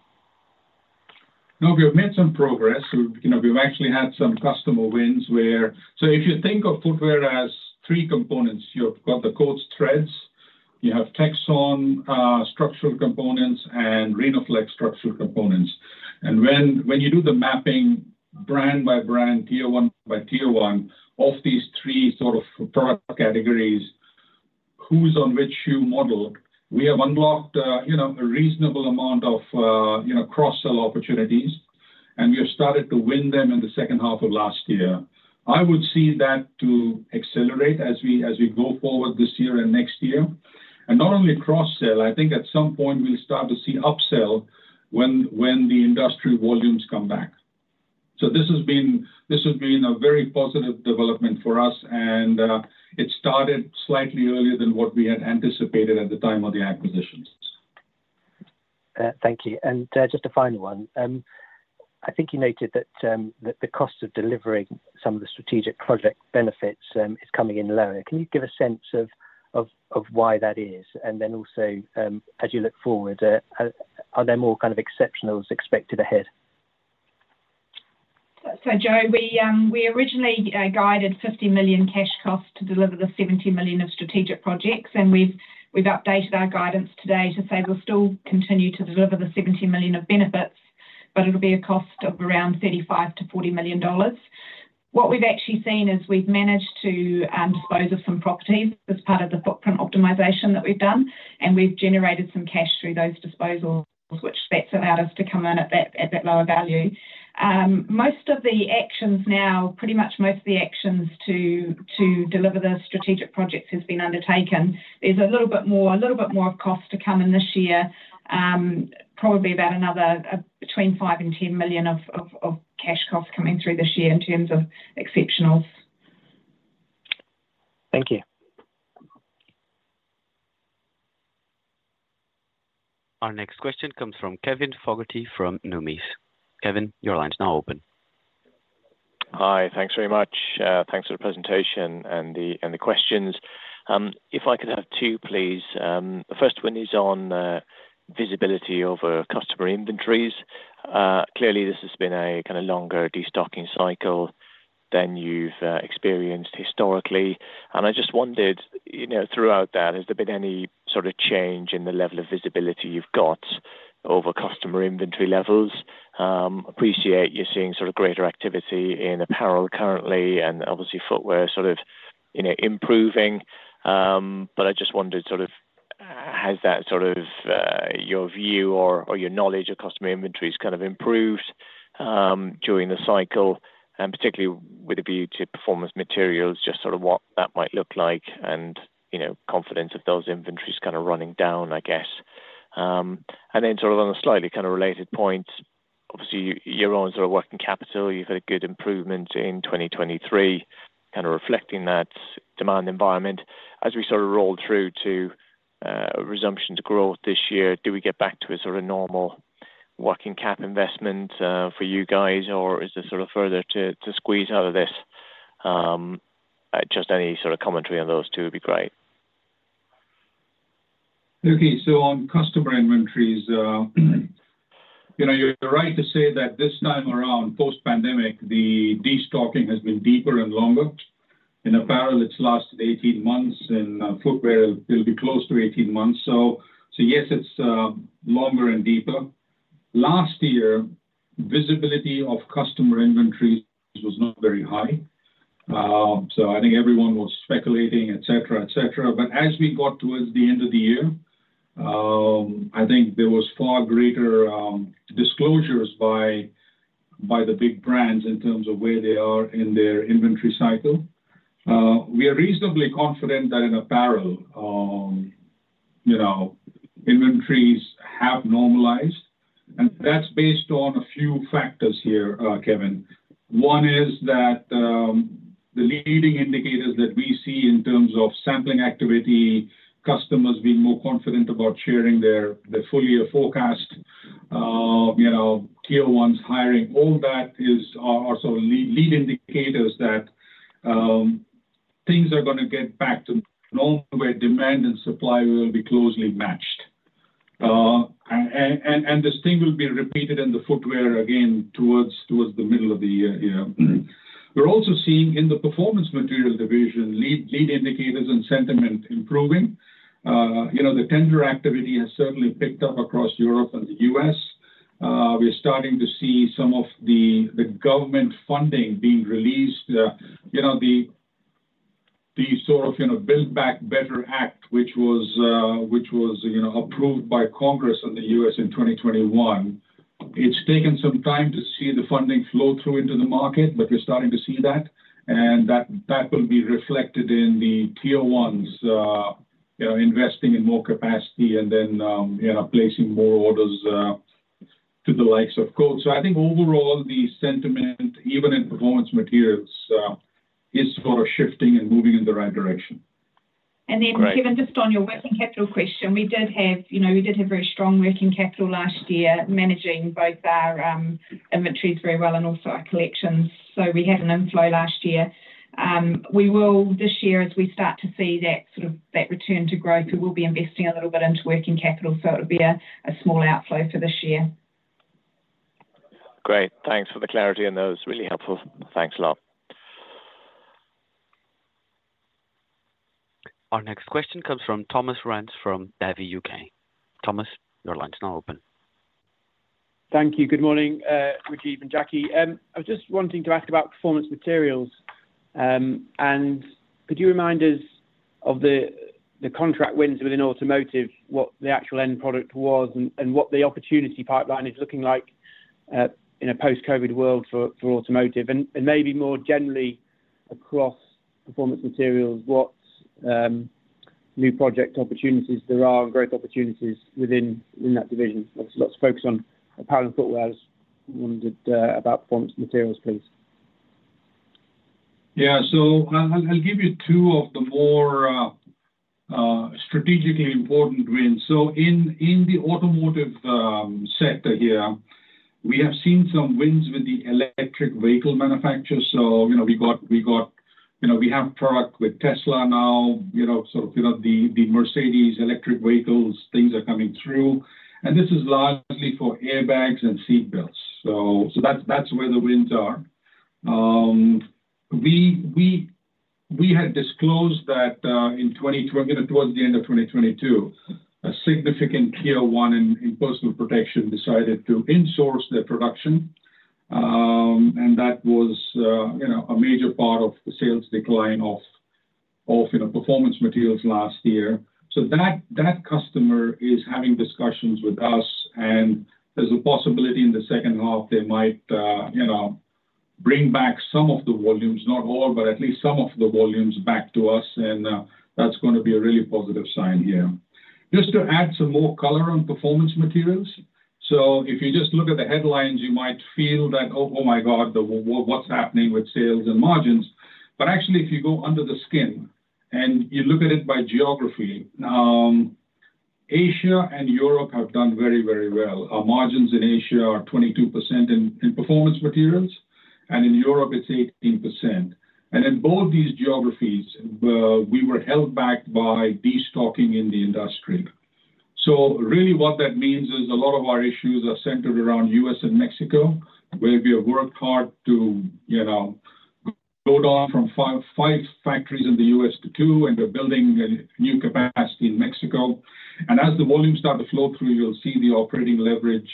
B: No, we have made some progress. We've actually had some customer wins where. So if you think of Footwear as three components, you've got the Coats threads. You have Texon structural components and Rhenoflex structural components. And when you do the mapping brand by brand, Tier 1 by Tier 1 of these three sort of product categories, who's on which shoe model, we have unlocked a reasonable amount of cross-sell opportunities. And we have started to win them in the second half of last year. I would see that to accelerate as we go forward this year and next year. And not only cross-sell, I think at some point, we'll start to see upsell when the industry volumes come back. So this has been a very positive development for us. And it started slightly earlier than what we had anticipated at the time of the acquisitions.
J: Thank you. And just a final one. I think you noted that the cost of delivering some of the strategic project benefits is coming in lower. Can you give a sense of why that is? And then also, as you look forward, are there more kind of exceptionals expected
C: ahead? So Joe, we originally guided $50 million cash cost to deliver the $70 million of strategic projects. We've updated our guidance today to say we'll still continue to deliver the $70 million of benefits, but it'll be a cost of around $35 million-$40 million. What we've actually seen is we've managed to dispose of some properties as part of the footprint optimization that we've done. And we've generated some cash through those disposals, which that's allowed us to come in at that lower value. Most of the actions now, pretty much most of the actions to deliver the strategic projects has been undertaken. There's a little bit more of cost to come in this year, probably about another between $5 million and $10 million of cash costs coming through this year in terms of exceptionals.
J: Thank you.
D: Our next question comes from Kevin Fogarty from Numis. Kevin, your line is now open.
K: Hi. Thanks very much. Thanks for the presentation and the questions. If I could have two, please. The first one is on visibility over customer inventories. Clearly, this has been a kind of longer destocking cycle than you've experienced historically. And I just wondered, throughout that, has there been any sort of change in the level of visibility you've got over customer inventory levels? Appreciate you're seeing sort of greater activity in apparel currently and obviously Footwear sort of improving. But I just wondered, sort of has that sort of your view or your knowledge of customer inventories kind of improved during the cycle, and particularly with a view to Performance Materials, just sort of what that might look like and confidence of those inventories kind of running down, I guess? And then sort of on a slightly kind of related point, obviously, you're on sort of working capital. You've had a good improvement in 2023, kind of reflecting that demand environment. As we sort of roll through to resumption to growth this year, do we get back to a sort of normal working cap investment for you guys, or is there sort of further to squeeze out of this? Just any sort of commentary on those two would be great.
B: Okay. So on customer inventories, you're right to say that this time around, post-pandemic, the destocking has been deeper and longer. In Apparel, it's lasted 18 months. In Footwear, it'll be close to 18 months. So yes, it's longer and deeper. Last year, visibility of customer inventories was not very high. So I think everyone was speculating, etc., etc. But as we got towards the end of the year, I think there was far greater disclosures by the big brands in terms of where they are in their inventory cycle. We are reasonably confident that in Apparel, inventories have normalized. And that's based on a few factors here, Kevin. One is that the leading indicators that we see in terms of sampling activity, customers being more confident about sharing their full-year forecast, Tier 1s hiring, all that are sort of lead indicators that things are going to get back to normal where demand and supply will be closely matched. And this thing will be repeated in the Footwear, again, towards the middle of the year. We're also seeing in the Performance Materials division, lead indicators and sentiment improving. The tender activity has certainly picked up across Europe and the U.S. We're starting to see some of the government funding being released. The sort of Build Back Better Act, which was approved by Congress and the U.S. in 2021, it's taken some time to see the funding flow through into the market, but we're starting to see that. And that will be reflected in the tier ones investing in more capacity and then placing more orders to the likes of Coats. So I think overall, the sentiment, even in Performance Materials, is sort of shifting and moving in the right direction.
C: And then Kevin, just on your working capital question, we did have very strong working capital last year managing both our inventories very well and also our collections. So we had an inflow last year. This year, as we start to see that sort of return to growth, we will be investing a little bit into working capital. So it'll be a small outflow for this year. Great. Thanks for the clarity, and that was really helpful. Thanks a lot.
D: Our next question comes from Thomas Rands from Davy UK. Thomas, your line is now open.
L: Thank you. Good morning, Rajiv and Jackie. I was just wanting to ask about Performance Materials. And could you remind us of the contract wins within automotive, what the actual end product was, and what the opportunity pipeline is looking like in a post-COVID world for automotive? And maybe more generally across Performance Materials, what new project opportunities there are and growth opportunities within that division? Obviously, lots of focus on Apparel and Footwear. I just wondered about Performance Materials, please.
B: Yeah. So I'll give you two of the more strategically important wins. So in the automotive sector here, we have seen some wins with the electric vehicle manufacturers. So we got we have product with Tesla now, sort of the Mercedes electric vehicles, things are coming through. And this is largely for airbags and seat belts. So that's where the wins are. We had disclosed that in towards the end of 2022, a significant Tier 1 in personal protection decided to insource their production. And that was a major part of the sales decline of Performance Materials last year. So that customer is having discussions with us. And there's a possibility in the second half, they might bring back some of the volumes, not all, but at least some of the volumes back to us. And that's going to be a really positive sign here. Just to add some more color on Performance Materials, so if you just look at the headlines, you might feel that, "Oh my God, what's happening with sales and margins?" But actually, if you go under the skin and you look at it by geography, Asia and Europe have done very, very well. Our margins in Asia are 22% in Performance Materials. And in Europe, it's 18%. And in both these geographies, we were held back by destocking in the industry. So really, what that means is a lot of our issues are centered around U.S. and Mexico, where we have worked hard to go down from 5 factories in the U.S. to 2, and we're building new capacity in Mexico. And as the volumes start to flow through, you'll see the operating leverage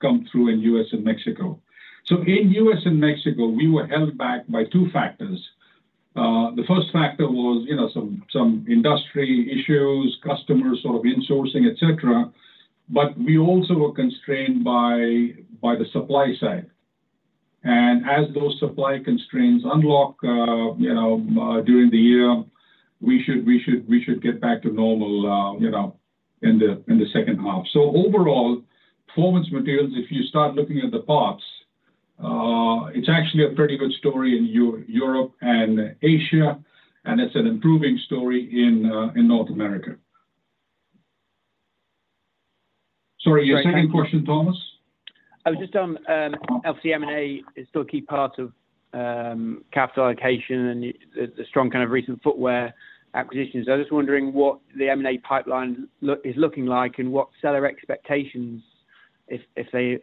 B: come through in U.S. and Mexico. So in U.S. and Mexico, we were held back by two factors. The first factor was some industry issues, customers sort of insourcing, etc. But we also were constrained by the supply side. And as those supply constraints unlock during the year, we should get back to normal in the second half. So overall, Performance Materials, if you start looking at the parts, it's actually a pretty good story in Europe and Asia. And it's an improving story in North America. Sorry, your second question, Thomas.
L: I was just on M&A is still a key part of capital allocation and the strong kind of recent Footwear acquisitions. I was just wondering what the M&A pipeline is looking like and what seller expectations, if they've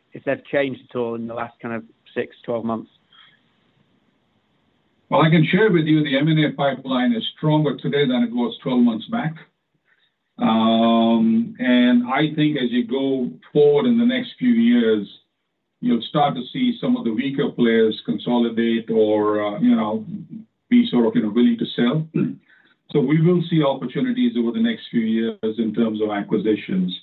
L: changed at all in the last kind of six, 12 months.
B: Well, I can share with you, the M&A pipeline is stronger today than it was 12 months back. I think as you go forward in the next few years, you'll start to see some of the weaker players consolidate or be sort of willing to sell. So we will see opportunities over the next few years in terms of acquisitions.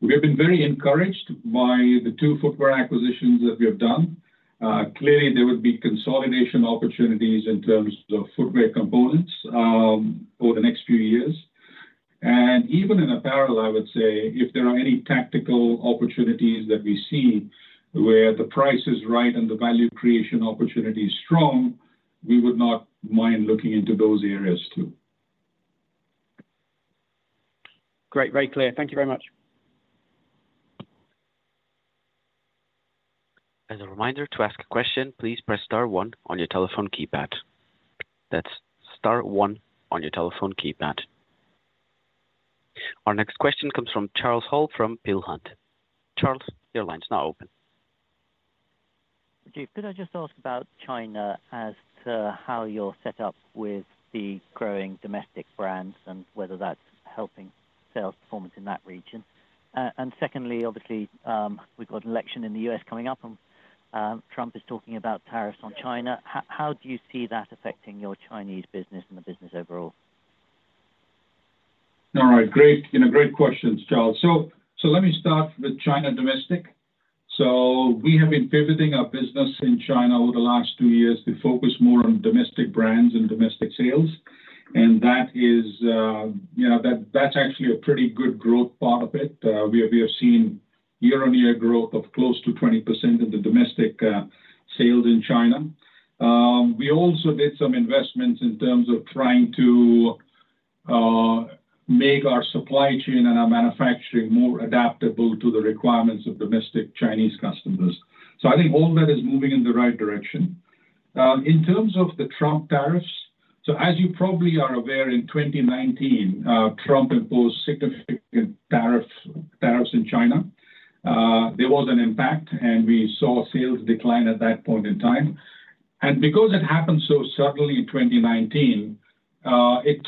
B: We have been very encouraged by the two Footwear acquisitions that we have done. Clearly, there would be consolidation opportunities in terms of Footwear components over the next few years. Even in apparel, I would say, if there are any tactical opportunities that we see where the price is right and the value creation opportunity is strong, we would not mind looking into those areas too.
L: Great. Very clear. Thank you very much.
D: As a reminder, to ask a question, please press star one on your telephone keypad. That's star one on your telephone keypad. Our next question comes from Charles Hall from Peel Hunt, Charles. Your line is now open.
E: Rajiv, could I just ask about China as to how you're set up with the growing domestic brands and whether that's helping sales performance in that region? And secondly, obviously, we've got an election in the U.S. coming up, and Trump is talking about tariffs on China. How do you see that affecting your Chinese business and the business overall?
B: All right. Great questions, Charles. So let me start with China domestic. So we have been pivoting our business in China over the last two years to focus more on domestic brands and domestic sales. And that is actually a pretty good growth part of it. We have seen year-on-year growth of close to 20% in the domestic sales in China. We also did some investments in terms of trying to make our supply chain and our manufacturing more adaptable to the requirements of domestic Chinese customers. So I think all that is moving in the right direction. In terms of the Trump tariffs, so as you probably are aware, in 2019, Trump imposed significant tariffs in China. There was an impact, and we saw sales decline at that point in time. And because it happened so suddenly in 2019, it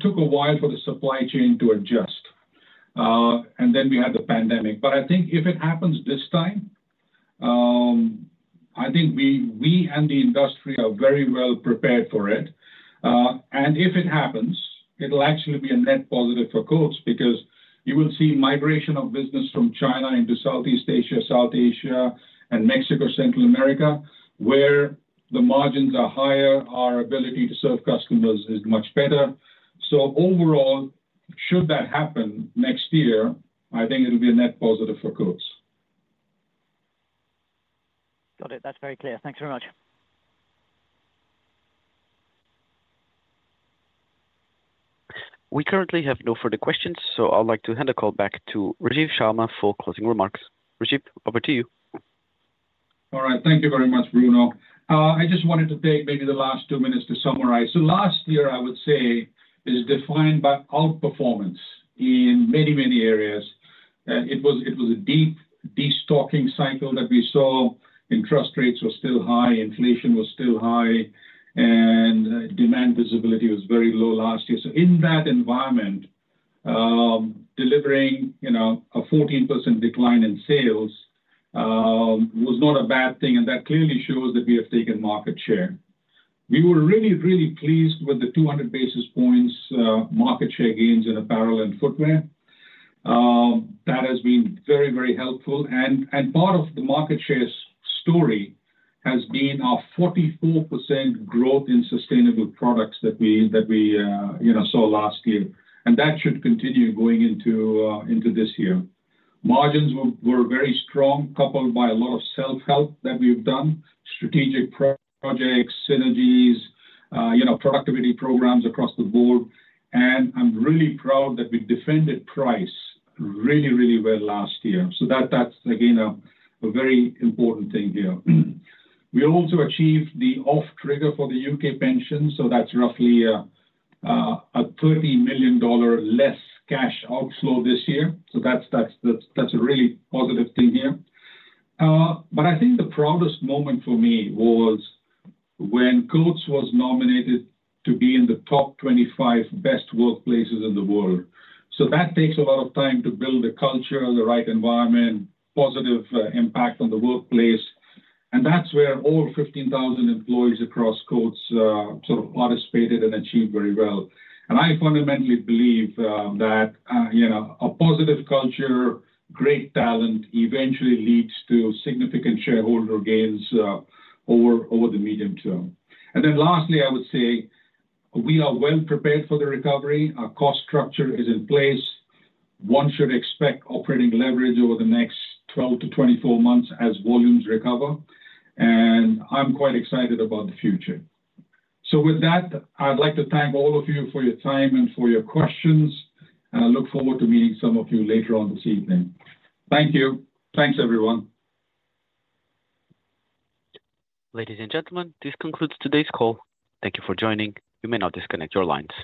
B: took a while for the supply chain to adjust. And then we had the pandemic. But I think if it happens this time, I think we and the industry are very well prepared for it. And if it happens, it'll actually be a net positive for Coats because you will see migration of business from China into Southeast Asia, South Asia, and Mexico, Central America, where the margins are higher, our ability to serve customers is much better. So overall, should that happen next year, I think it'll be a net positive for Coats.
E: Got it. That's very clear. Thanks very much.
D: We currently have no further questions, so I'd like to hand the call back to Rajiv Sharma for closing remarks. Rajiv, over to you.
B: All right. Thank you very much, Bruno. I just wanted to take maybe the last two minutes to summarize. So last year, I would say, is defined by outperformance in many, many areas. It was a deep destocking cycle that we saw. Interest rates were still high, inflation was still high, and demand visibility was very low last year. So in that environment, delivering a 14% decline in sales was not a bad thing. And that clearly shows that we have taken market share. We were really, really pleased with the 200 basis points market share gains in Apparel and Footwear. That has been very, very helpful. And part of the market share story has been our 44% growth in sustainable products that we saw last year. And that should continue going into this year. Margins were very strong, coupled by a lot of self-help that we've done, strategic projects, synergies, productivity programs across the board. And I'm really proud that we defended price really, really well last year. So that's, again, a very important thing here. We also achieved the off-trigger for the UK pension. So that's roughly a $30 million less cash outflow this year. So that's a really positive thing here. But I think the proudest moment for me was when Coats was nominated to be in the top 25 best workplaces in the world. So that takes a lot of time to build a culture, the right environment, positive impact on the workplace. And that's where all 15,000 employees across Coats sort of participated and achieved very well. And I fundamentally believe that a positive culture, great talent, eventually leads to significant shareholder gains over the medium term. And then lastly, I would say we are well prepared for the recovery. Our cost structure is in place. One should expect operating leverage over the next 12-24 months as volumes recover. And I'm quite excited about the future. So with that, I'd like to thank all of you for your time and for your questions. And I look forward to meeting some of you later on this evening. Thank you. Thanks, everyone.
D: Ladies and gentlemen, this concludes today's call. Thank you for joining. You may now disconnect your lines.